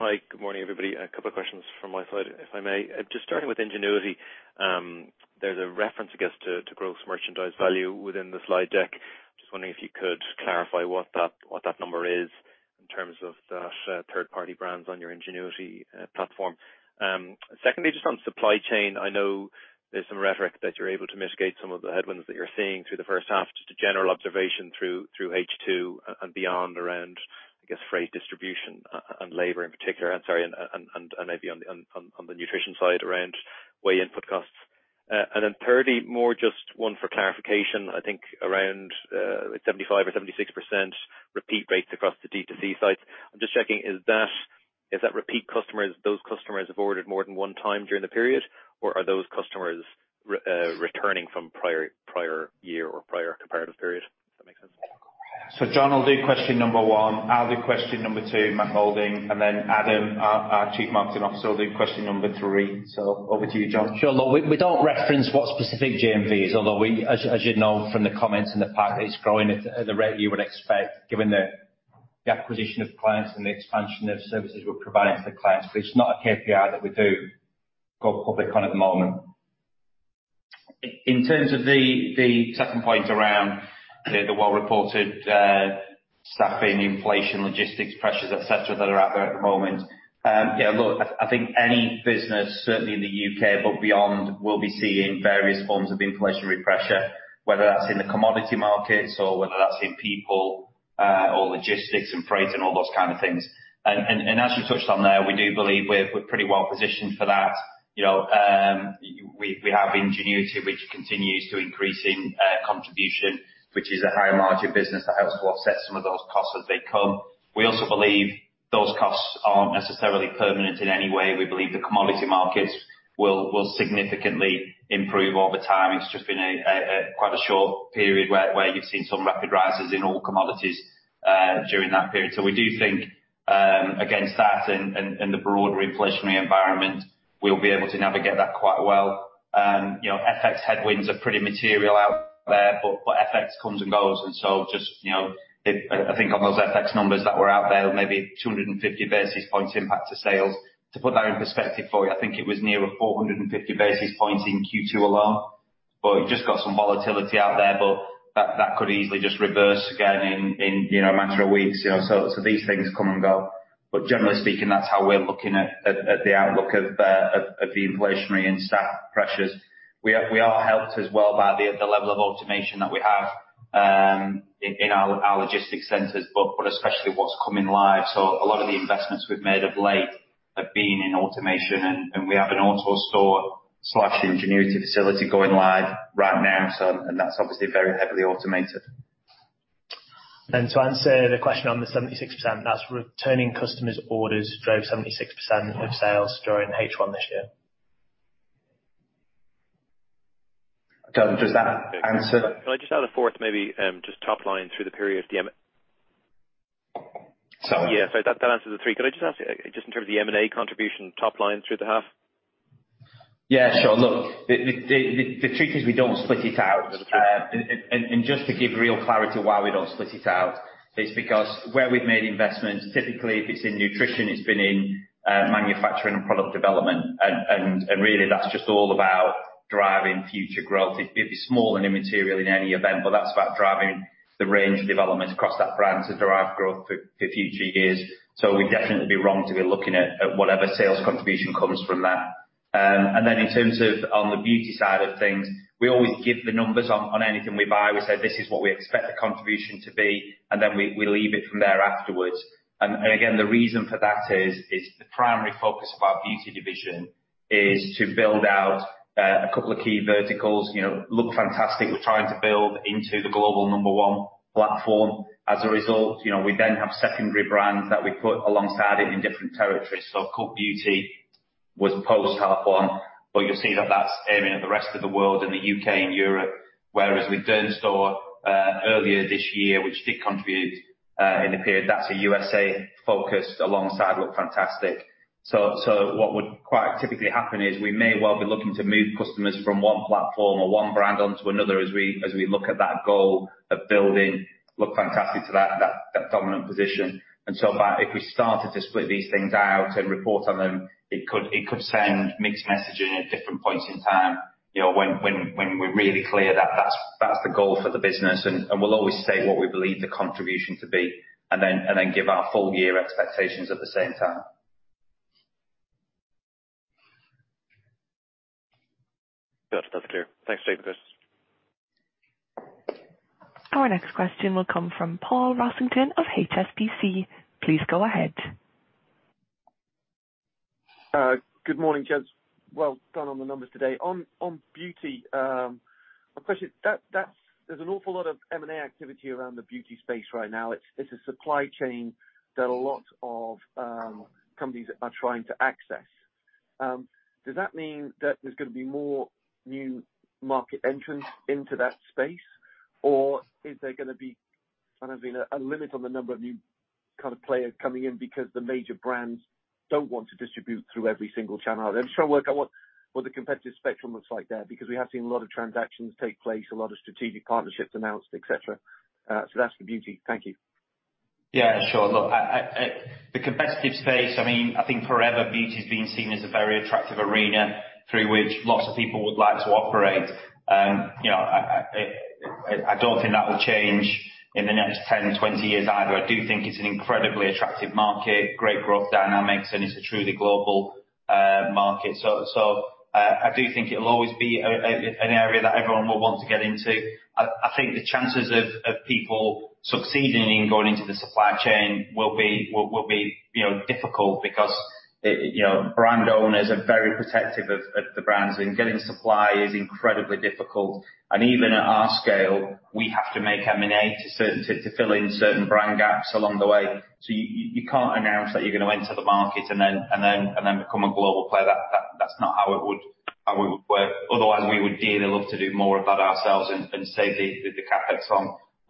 Hi. Good morning, everybody. A couple of questions from my side, if I may. Just starting with Ingenuity, there's a reference, I guess, to gross merchandise value within the slide deck. Just wondering if you could clarify what that number is in terms of that third-party brands on your Ingenuity platform. Secondly, just on supply chain, I know there's some rhetoric that you're able to mitigate some of the headwinds that you're seeing through the first half. Just a general observation through H2 and beyond around, I guess, freight distribution and labor in particular, maybe on the nutrition side around whey input costs. Thirdly, more just one for clarification, I think around 75% or 76% repeat rates across the D2C sites. I'm just checking, is that repeat customers, those customers have ordered more than one time during the period, or are those customers returning from prior year or prior comparative period? Does that make sense? John will do question number one. I'll do question number two, Matt Moulding, and then Adam, our Chief Marketing Officer, will do question number three. Over to you, John. Sure. Look, we don't reference what specific GMV is, although as you'd know from the comments and the fact that it's growing at the rate you would expect given the acquisition of clients and the expansion of services we're providing for clients. It's not a KPI that we do go public on at the moment. In terms of the second point around the well-reported staffing, inflation, logistics pressures, et cetera, that are out there at the moment. Yeah, look, I think any business, certainly in the U.K., but beyond, will be seeing various forms of inflationary pressure, whether that's in the commodity markets or whether that's in people or logistics and freight and all those kind of things. As you touched on there, we do believe we're pretty well positioned for that. We have Ingenuity which continues to increase in contribution, which is a higher margin business that helps to offset some of those costs as they come. We also believe those costs aren't necessarily permanent in any way. We believe the commodity markets will significantly improve over time. It's just been quite a short period where you've seen some rapid rises in all commodities during that period. We do think against that and the broader inflationary environment, we'll be able to navigate that quite well. FX headwinds are pretty material out there, but FX comes and goes. Just, I think on those FX numbers that were out there, maybe 250 basis points impact to sales. To put that in perspective for you, I think it was near 450 basis points in Q2 alone. You've just got some volatility out there, but that could easily just reverse again in a matter of weeks. These things come and go. Generally speaking, that's how we're looking at the outlook of the inflationary and staff pressures. We are helped as well by the level of automation that we have in our logistics centers, but especially what's coming live. A lot of the investments we've made of late have been in automation, and we have an AutoStore/Ingenuity facility going live right now, and that's obviously very heavily automated. To answer the question on the 76%, that is returning customers' orders drove 76% of sales during H1 this year. Does that answer? Can I just add a fourth maybe, just top line through the period? Sorry. Yeah. That answers the three. Could I just ask you, just in terms of the M&A contribution top line through the half? Yeah, sure. Look, the truth is we don't split it out. That's true. Just to give real clarity why we don't split it out is because where we've made investments, typically, if it's in nutrition, it's been in manufacturing and product development. Really that's just all about driving future growth. It'd be small and immaterial in any event, but that's about driving the range of developments across that brand to derive growth for future years. We'd definitely be wrong to be looking at whatever sales contribution comes from that. Then in terms of on the beauty side of things, we always give the numbers on anything we buy. We say, "This is what we expect the contribution to be," then we leave it from there afterwards. Again, the reason for that is, the primary focus of our beauty division is to build out a couple of key verticals. LOOKFANTASTIC, we're trying to build into the global number one platform. As a result, we then have secondary brands that we put alongside it in different territories. Cult Beauty was post half one, but you'll see that that's aiming at the rest of the world in the U.K. and Europe. Whereas with Dermstore, earlier this year, which did contribute in the period, that's a USA focus alongside LOOKFANTASTIC. What would quite typically happen is we may well be looking to move customers from one platform or one brand onto another as we look at that goal of building LOOKFANTASTIC to that dominant position. If we started to split these things out and report on them, it could send mixed messaging at different points in time, when we're really clear that that's the goal for the business. We'll always state what we believe the contribution to be, and then give our full year expectations at the same time. Got it. That's clear. Thanks guys Our next question will come from Paul Rossington of HSBC. Please go ahead. Good morning, gents. Well done on the numbers today. On beauty, my question, there's an awful lot of M&A activity around the beauty space right now. It's a supply chain that a lot of companies are trying to access. Does that mean that there's going to be more new market entrants into that space? Or is there going to be, kind of, a limit on the number of new players coming in because the major brands don't want to distribute through every single channel? I'm just trying to work out what the competitive spectrum looks like there, because we have seen a lot of transactions take place, a lot of strategic partnerships announced, et cetera. That's for beauty. Thank you. Yeah, sure. Look, the competitive space, I think forever beauty's been seen as a very attractive arena through which lots of people would like to operate. I don't think that will change in the next 10, 20 years either. I do think it's an incredibly attractive market, great growth dynamics, and it's a truly global market. I do think it'll always be an area that everyone will want to get into. I think the chances of people succeeding in going into the supply chain will be difficult because brand owners are very protective of the brands, and getting supply is incredibly difficult. Even at our scale, we have to make M&A to fill in certain brand gaps along the way. You can't announce that you're going to enter the market and then become a global player. That's not how it would work. Otherwise, we would dearly love to do more of that ourselves and save the CapEx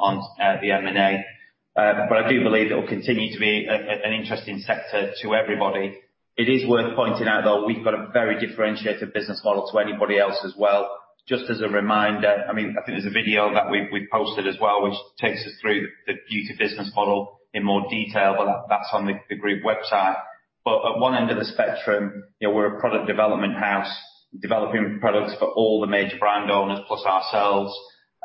on the M&A. I do believe it will continue to be an interesting sector to everybody. It is worth pointing out, though, we've got a very differentiated business model to anybody else as well. Just as a reminder, I think there's a video that we posted as well, which takes us through the beauty business model in more detail, but that's on the group website. At one end of the spectrum, we're a product development house, developing products for all the major brand owners plus ourselves.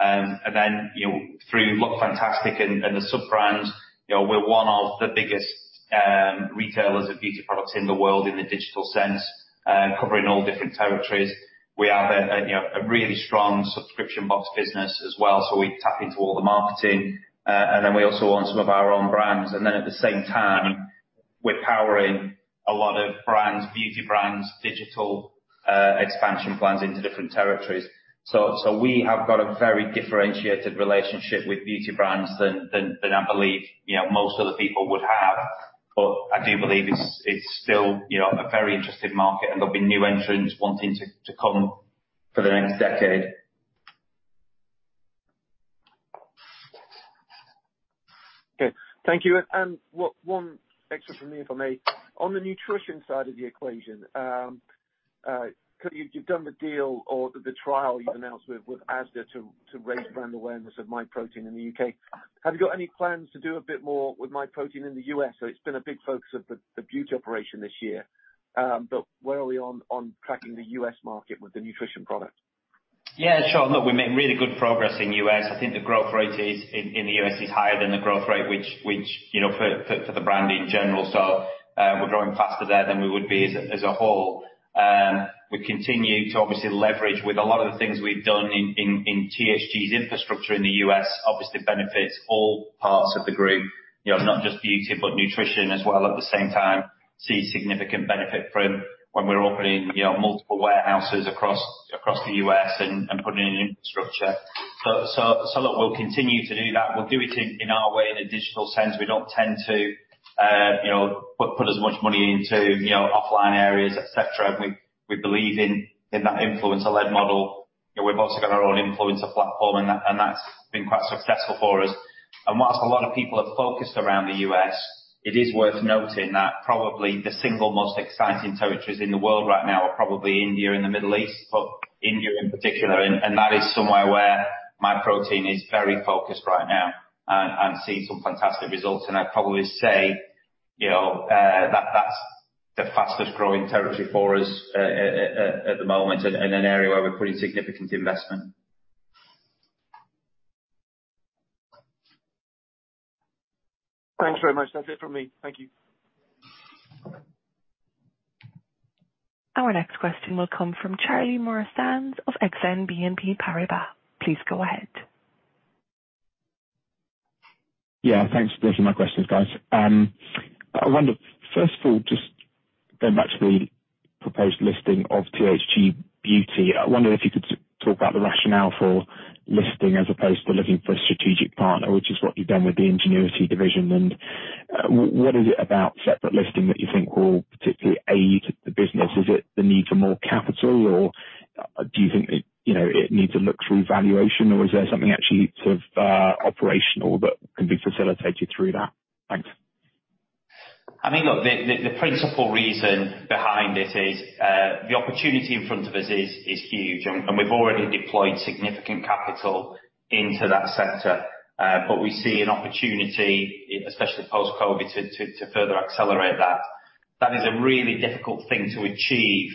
Through LOOKFANTASTIC and the sub-brands, we're one of the biggest retailers of beauty products in the world in the digital sense, covering all different territories. We have a really strong subscription box business as well, so we tap into all the marketing. We also own some of our own brands. At the same time, we're powering a lot of brands, beauty brands, digital expansion plans into different territories. We have got a very differentiated relationship with beauty brands than I believe most other people would have. I do believe it's still a very interesting market, and there'll be new entrants wanting to come for the next decade. Okay. Thank you. One extra from me, if I may. On the nutrition side of the equation, you've done the deal or the trial you've announced with Asda to raise brand awareness of Myprotein in the U.K. Have you got any plans to do a bit more with Myprotein in the U.S.? It's been a big focus of the beauty operation this year. Where are we on cracking the U.S. market with the nutrition product? Yeah, sure. Look, we made really good progress in U.S. I think the growth rate in the U.S. is higher than the growth rate for the brand in general. We're growing faster there than we would be as a whole. We continue to obviously leverage with a lot of the things we've done in THG's infrastructure in the U.S. obviously benefits all parts of the group, not just beauty, but nutrition as well at the same time. We see significant benefit from when we're opening multiple warehouses across the U.S. and putting in infrastructure. Look, we'll continue to do that. We'll do it in our way, in a digital sense. We don't tend to put as much money into offline areas, et cetera. We believe in that influencer-led model. We've also got our own influencer platform, and that's been quite successful for us. While a lot of people are focused around the U.S., it is worth noting that probably the single most exciting territories in the world right now are probably India and the Middle East, but India in particular, and that is somewhere where Myprotein is very focused right now and seeing some fantastic results. I'd probably say that's the fastest growing territory for us at the moment and an area where we're putting significant investment. Thanks very much. That's it from me. Thank you. Our next question will come from Charlie Muir-Sands of Exane BNP Paribas. Please go ahead. Yeah, thanks for taking my questions, guys. I wonder, first of all, just going back to the proposed listing of THG Beauty, I wonder if you could talk about the rationale for listing as opposed to looking for a strategic partner, which is what you've done with the Ingenuity division. What is it about separate listing that you think will particularly aid the business? Is it the need for more capital, or do you think it needs a look through valuation, or is there something actually operational that can be facilitated through that? Thanks. I think the principal reason behind it is the opportunity in front of us is huge, and we've already deployed significant capital into that sector. We see an opportunity, especially post-COVID, to further accelerate that. That is a really difficult thing to achieve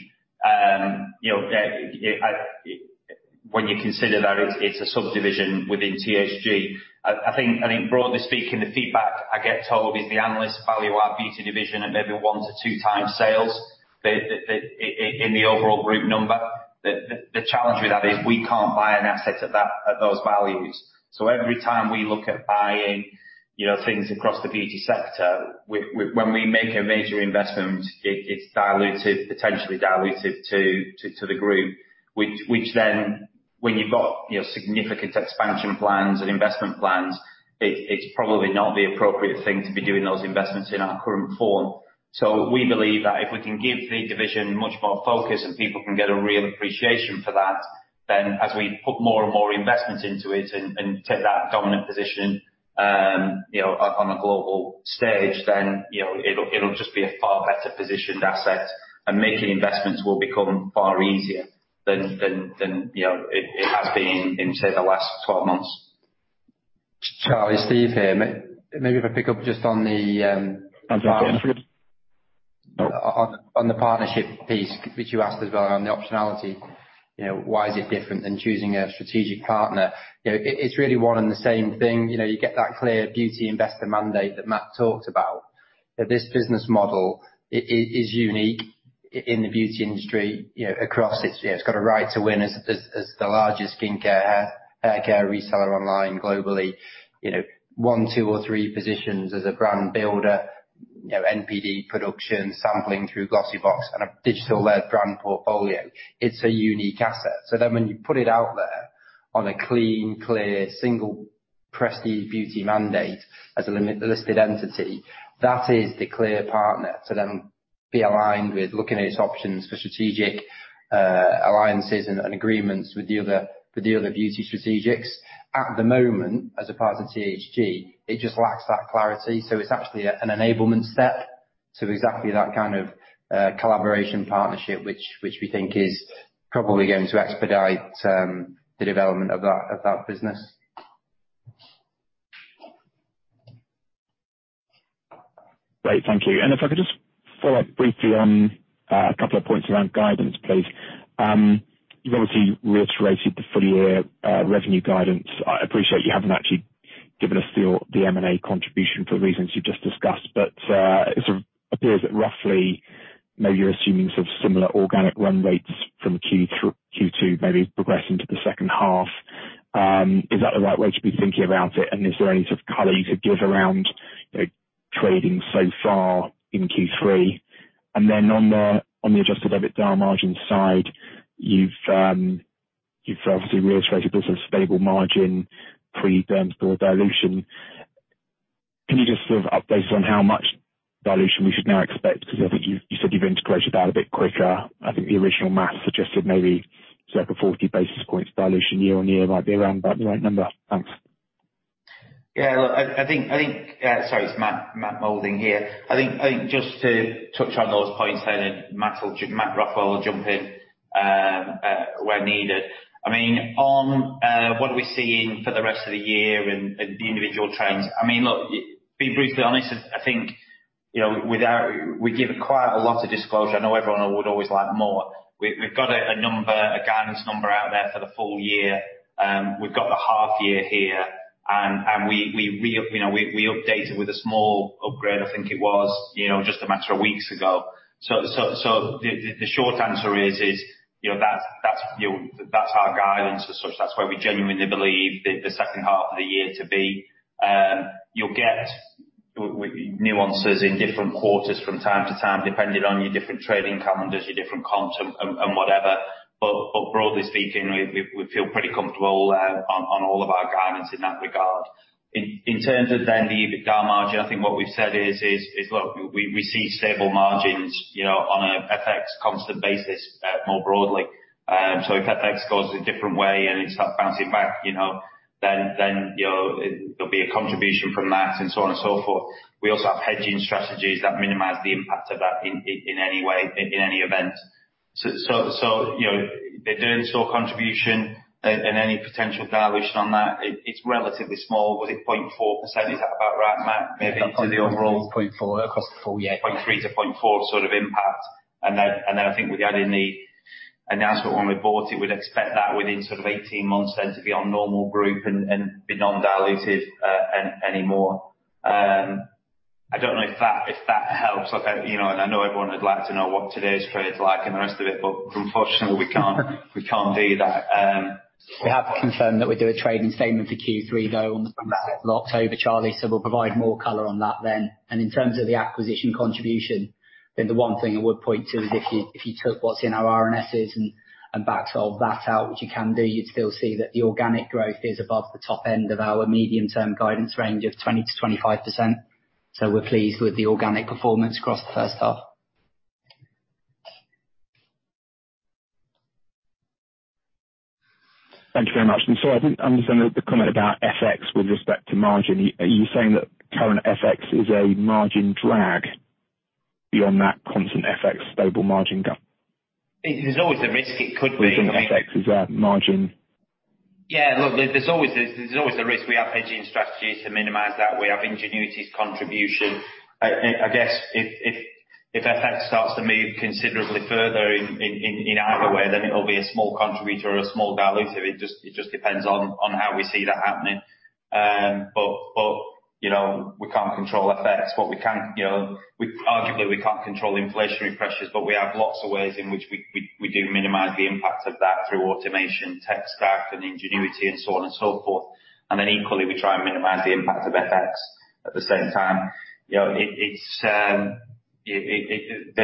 when you consider that it's a subdivision within THG. I think broadly speaking, the feedback I get told is the analysts value our beauty division at maybe 1x-2x sales in the overall group number. The challenge with that is we can't buy an asset at those values. Every time we look at buying things across the beauty sector, when we make a major investment, it's potentially diluted to the group, which then when you've got significant expansion plans and investment plans, it's probably not the appropriate thing to be doing those investments in our current form. We believe that if we can give the division much more focus and people can get a real appreciation for that, then as we put more and more investments into it and take that dominant position on a global stage, then it'll just be a far better positioned asset, and making investments will become far easier than it has been in, say, the last 12 months. Charlie, Steve here. Maybe if I pick up just on. That's okay. On the partnership piece, which you asked as well on the optionality, why is it different than choosing a strategic partner? It's really one and the same thing. You get that clear beauty investor mandate that Matt talked about, that this business model is unique in the beauty industry across. It's got a right to win as the largest skincare, haircare reseller online globally. One, two, or three positions as a brand builder, NPD production, sampling through Glossybox, and a digital-led brand portfolio. It's a unique asset. When you put it out there on a clean, clear, single prestige beauty mandate as a listed entity, that is the clear partner to then be aligned with looking at its options for strategic alliances and agreements with the other beauty strategics. At the moment, as a part of THG, it just lacks that clarity. It's actually an enablement step to exactly that kind of collaboration partnership, which we think is probably going to expedite the development of that business. Great. Thank you. If I could just follow up briefly on two points around guidance, please. You've obviously reiterated the full year revenue guidance. I appreciate you haven't actually given us the M&A contribution for reasons you've just discussed, but it appears that roughly maybe you're assuming similar organic run rates from Q2 progressing to the second half. Is that the right way to be thinking about it? Is there any sort of color you could give around trading so far in Q3? On the adjusted EBITDA margin side, you've obviously reiterated stable margin pre terms for dilution. Can you just update us on how much dilution we should now expect? I think you said you've integrated that a bit quicker. I think the original math suggested maybe 40 basis points dilution year-on-year might be around about the right number. Thanks. Yeah, look, sorry, it's Matt Moulding here. I think just to touch on those points then [Adam Knappy] will jump in where needed. On what are we seeing for the rest of the year and the individual trends, look, being briefly honest, I think we give quite a lot of disclosure. I know everyone would always like more. We've got a number, a guidance number out there for the full year. We've got the half year here, and we updated with a small upgrade, I think it was, just a matter of weeks ago. The short answer is that's our guidance as such. That's where we genuinely believe the second half of the year to be. You'll get nuances in different quarters from time to time, depending on your different trading calendars, your different comps and whatever. Broadly speaking, we feel pretty comfortable on all of our guidance in that regard. In terms of then the EBITDA margin, I think what we've said is, look, we see stable margins on a FX constant basis more broadly. If FX goes a different way and it starts bouncing back, then there'll be a contribution from that and so on and so forth. We also have hedging strategies that minimize the impact of that in any event. The earnings contribution and any potential dilution on that, it's relatively small. Was it 0.4%? Is that about right, Matt? 0.4 across the full year. 0.3 to 0.4 sort of impact. I think with the added in the announcement when we bought it, we'd expect that within sort of 18 months then to be on normal Group and be non-dilutive anymore. I don't know if that helps. I know everyone would like to know what today's trade's like and the rest of it, but unfortunately, we can't do that. We have confirmed that we do a trading statement for Q3, though, on the fourth of October, Charlie, we'll provide more color on that then. In terms of the acquisition contribution, then the one thing I would point to is if you took what's in our RNSs and backed all of that out, which you can do, you'd still see that the organic growth is above the top end of our medium-term guidance range of 20%-25%. We're pleased with the organic performance across the first half. Thank you very much. I didn't understand the comment about FX with respect to margin. Are you saying that current FX is a margin drag beyond that constant FX stable margin guide? There's always a risk it could be. Constant FX is a margin. Yeah. Look, there's always a risk. We have hedging strategies to minimize that. We have Ingenuity's contribution. I guess if FX starts to move considerably further in either way, then it'll be a small contributor or a small dilutive. It just depends on how we see that happening. We can't control FX. Arguably, we can't control inflationary pressures, but we have lots of ways in which we do minimize the impact of that through automation, tech stack, and Ingenuity and so on and so forth. Equally, we try and minimize the impact of FX at the same time. The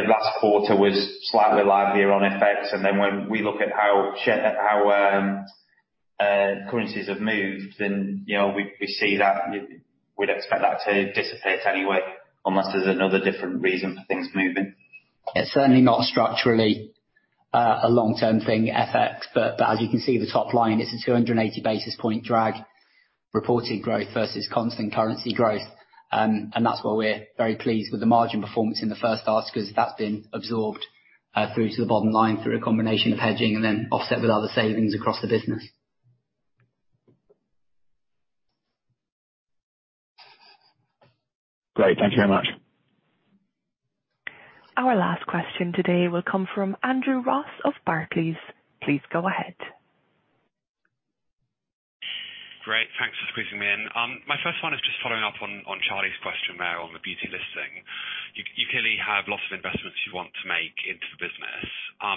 last quarter was slightly livelier on FX, and then when we look at how currencies have moved, then we'd expect that to dissipate anyway, unless there's another different reason for things moving. It's certainly not structurally a long-term thing, FX. As you can see, the top line, it's a 280 basis point drag reported growth versus constant currency growth. That's why we're very pleased with the margin performance in the first half because that's been absorbed through to the bottom line through a combination of hedging and then offset with other savings across the business. Great. Thank you very much. Our last question today will come from Andrew Ross of Barclays. Please go ahead. Great. Thanks for squeezing me in. My first one is just following up on Charlie's question there on the Beauty listing. You clearly have lots of investments you want to make into the business. Do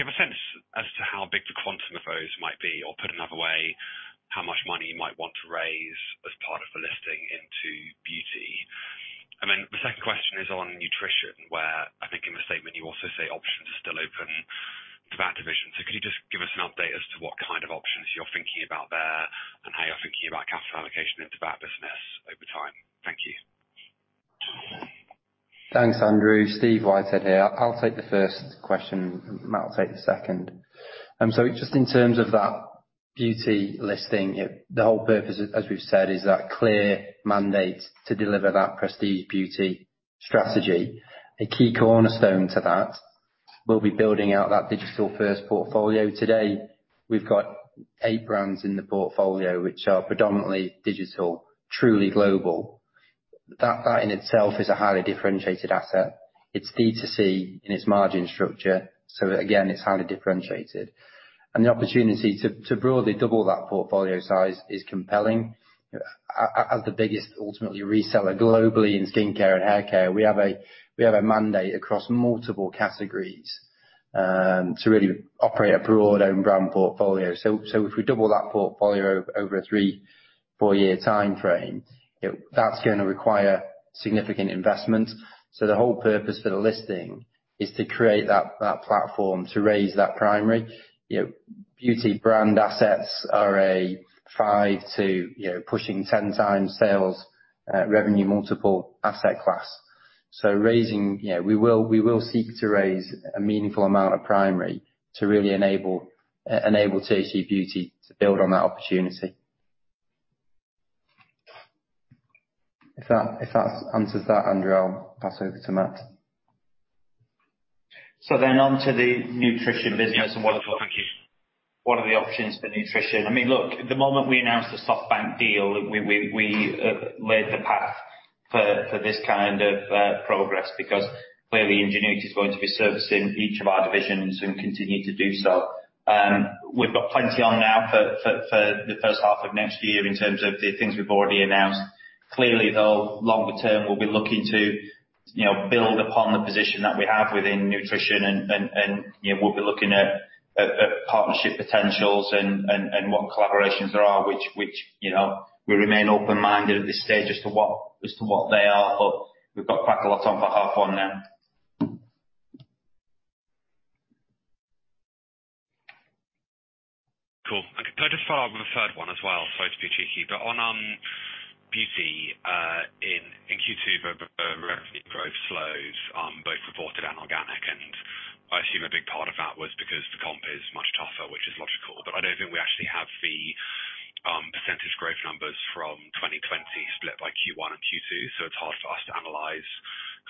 you have a sense as to how big the quantum of those might be, or put another way, how much money you might want to raise as part of the listing into Beauty? The second question is on Nutrition, where I think in the statement you also say options are still open for that division. Could you just give us an update as to what kind of options you're thinking about there and how you're thinking about capital allocation into that business over time? Thank you. Thanks, Andrew. Steve Whitehead here. I'll take the first question, Matt will take the second. Just in terms of that Beauty listing, the whole purpose, as we've said, is that clear mandate to deliver that prestige beauty strategy. A key cornerstone to that will be building out that digital first portfolio. Today, we've got eight brands in the portfolio which are predominantly digital, truly global. That in itself is a highly differentiated asset. It's D2C in its margin structure, so again, it's highly differentiated. The opportunity to broadly double that portfolio size is compelling. As the biggest, ultimately, reseller globally in skincare and haircare, we have a mandate across multiple categories to really operate a broad own brand portfolio. If we double that portfolio over a three, four-year timeframe, that's going to require significant investment. The whole purpose for the listing is to create that platform to raise that primary. Beauty brand assets are a five to pushing 10 times sales revenue multiple asset class. We will seek to raise a meaningful amount of primary to really enable THG Beauty to build on that opportunity. If that answers that, Andrew, I'll pass over to Matt. On to the Nutrition business and what are the options for Nutrition. Look, the moment we announced the SoftBank deal, we laid the path for this kind of progress because clearly Ingenuity is going to be servicing each of our divisions and continue to do so. We've got plenty on now for the first half of next year in terms of the things we've already announced. Clearly, though, longer term, we'll be looking to build upon the position that we have within THG Nutrition and we'll be looking at partnership potentials and what collaborations there are, which we remain open-minded at this stage as to what they are, but we've got quite a lot on for H1 now. Cool. Can I just follow up with a third one as well? Sorry to be cheeky. On Beauty, in Q2 the revenue growth slows both reported and organic, and I assume a big part of that was because the comp is much tougher, which is logical. I don't think we actually have the percentage growth numbers from 2020 split by Q1 and Q2, so it's hard for us to analyze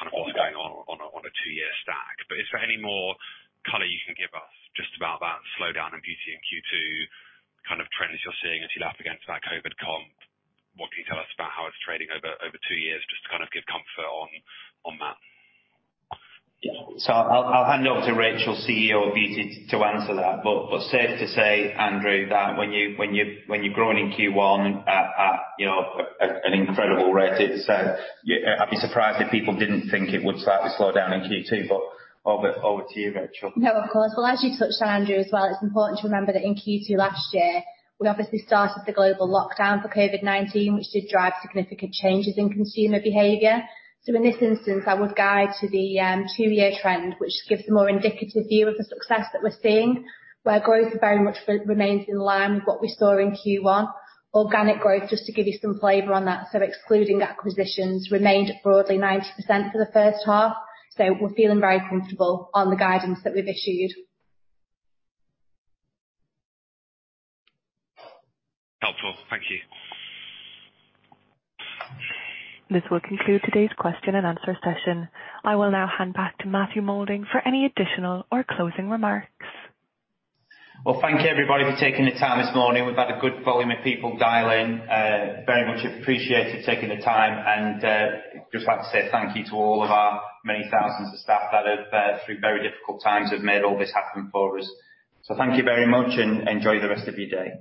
kind of what's going on a two-year stack. Is there any more color you can give us just about that slowdown in Beauty in Q2, kind of trends you're seeing as you lap against that COVID comp? What can you tell us about how it's trading over two years just to kind of give comfort on that? I'll hand over to Rachel, CEO of Beauty, to answer that but safe to say, Andrew, that when you're growing in Q1 at an incredible rate, I'd be surprised if people didn't think it would slightly slow down in Q2, over to you, Rachel. No, of course. Well, as you touched on, Andrew, as well, it's important to remember that in Q2 last year, we obviously started the global lockdown for COVID-19, which did drive significant changes in consumer behavior. In this instance, I would guide to the two-year trend, which gives a more indicative view of the success that we're seeing, where growth very much remains in line with what we saw in Q1. Organic growth, just to give you some flavor on that, excluding acquisitions, remained broadly 90% for the first half. We're feeling very comfortable on the guidance that we've issued. Helpful. Thank you. This will conclude today's question and answer session. I will now hand back to Matthew Moulding for any additional or closing remarks. Thank you, everybody, for taking the time this morning. We've had a good volume of people dial in. Very much appreciated taking the time. Just like to say thank you to all of our many thousands of staff that have, through very difficult times, have made all this happen for us. Thank you very much and enjoy the rest of your day.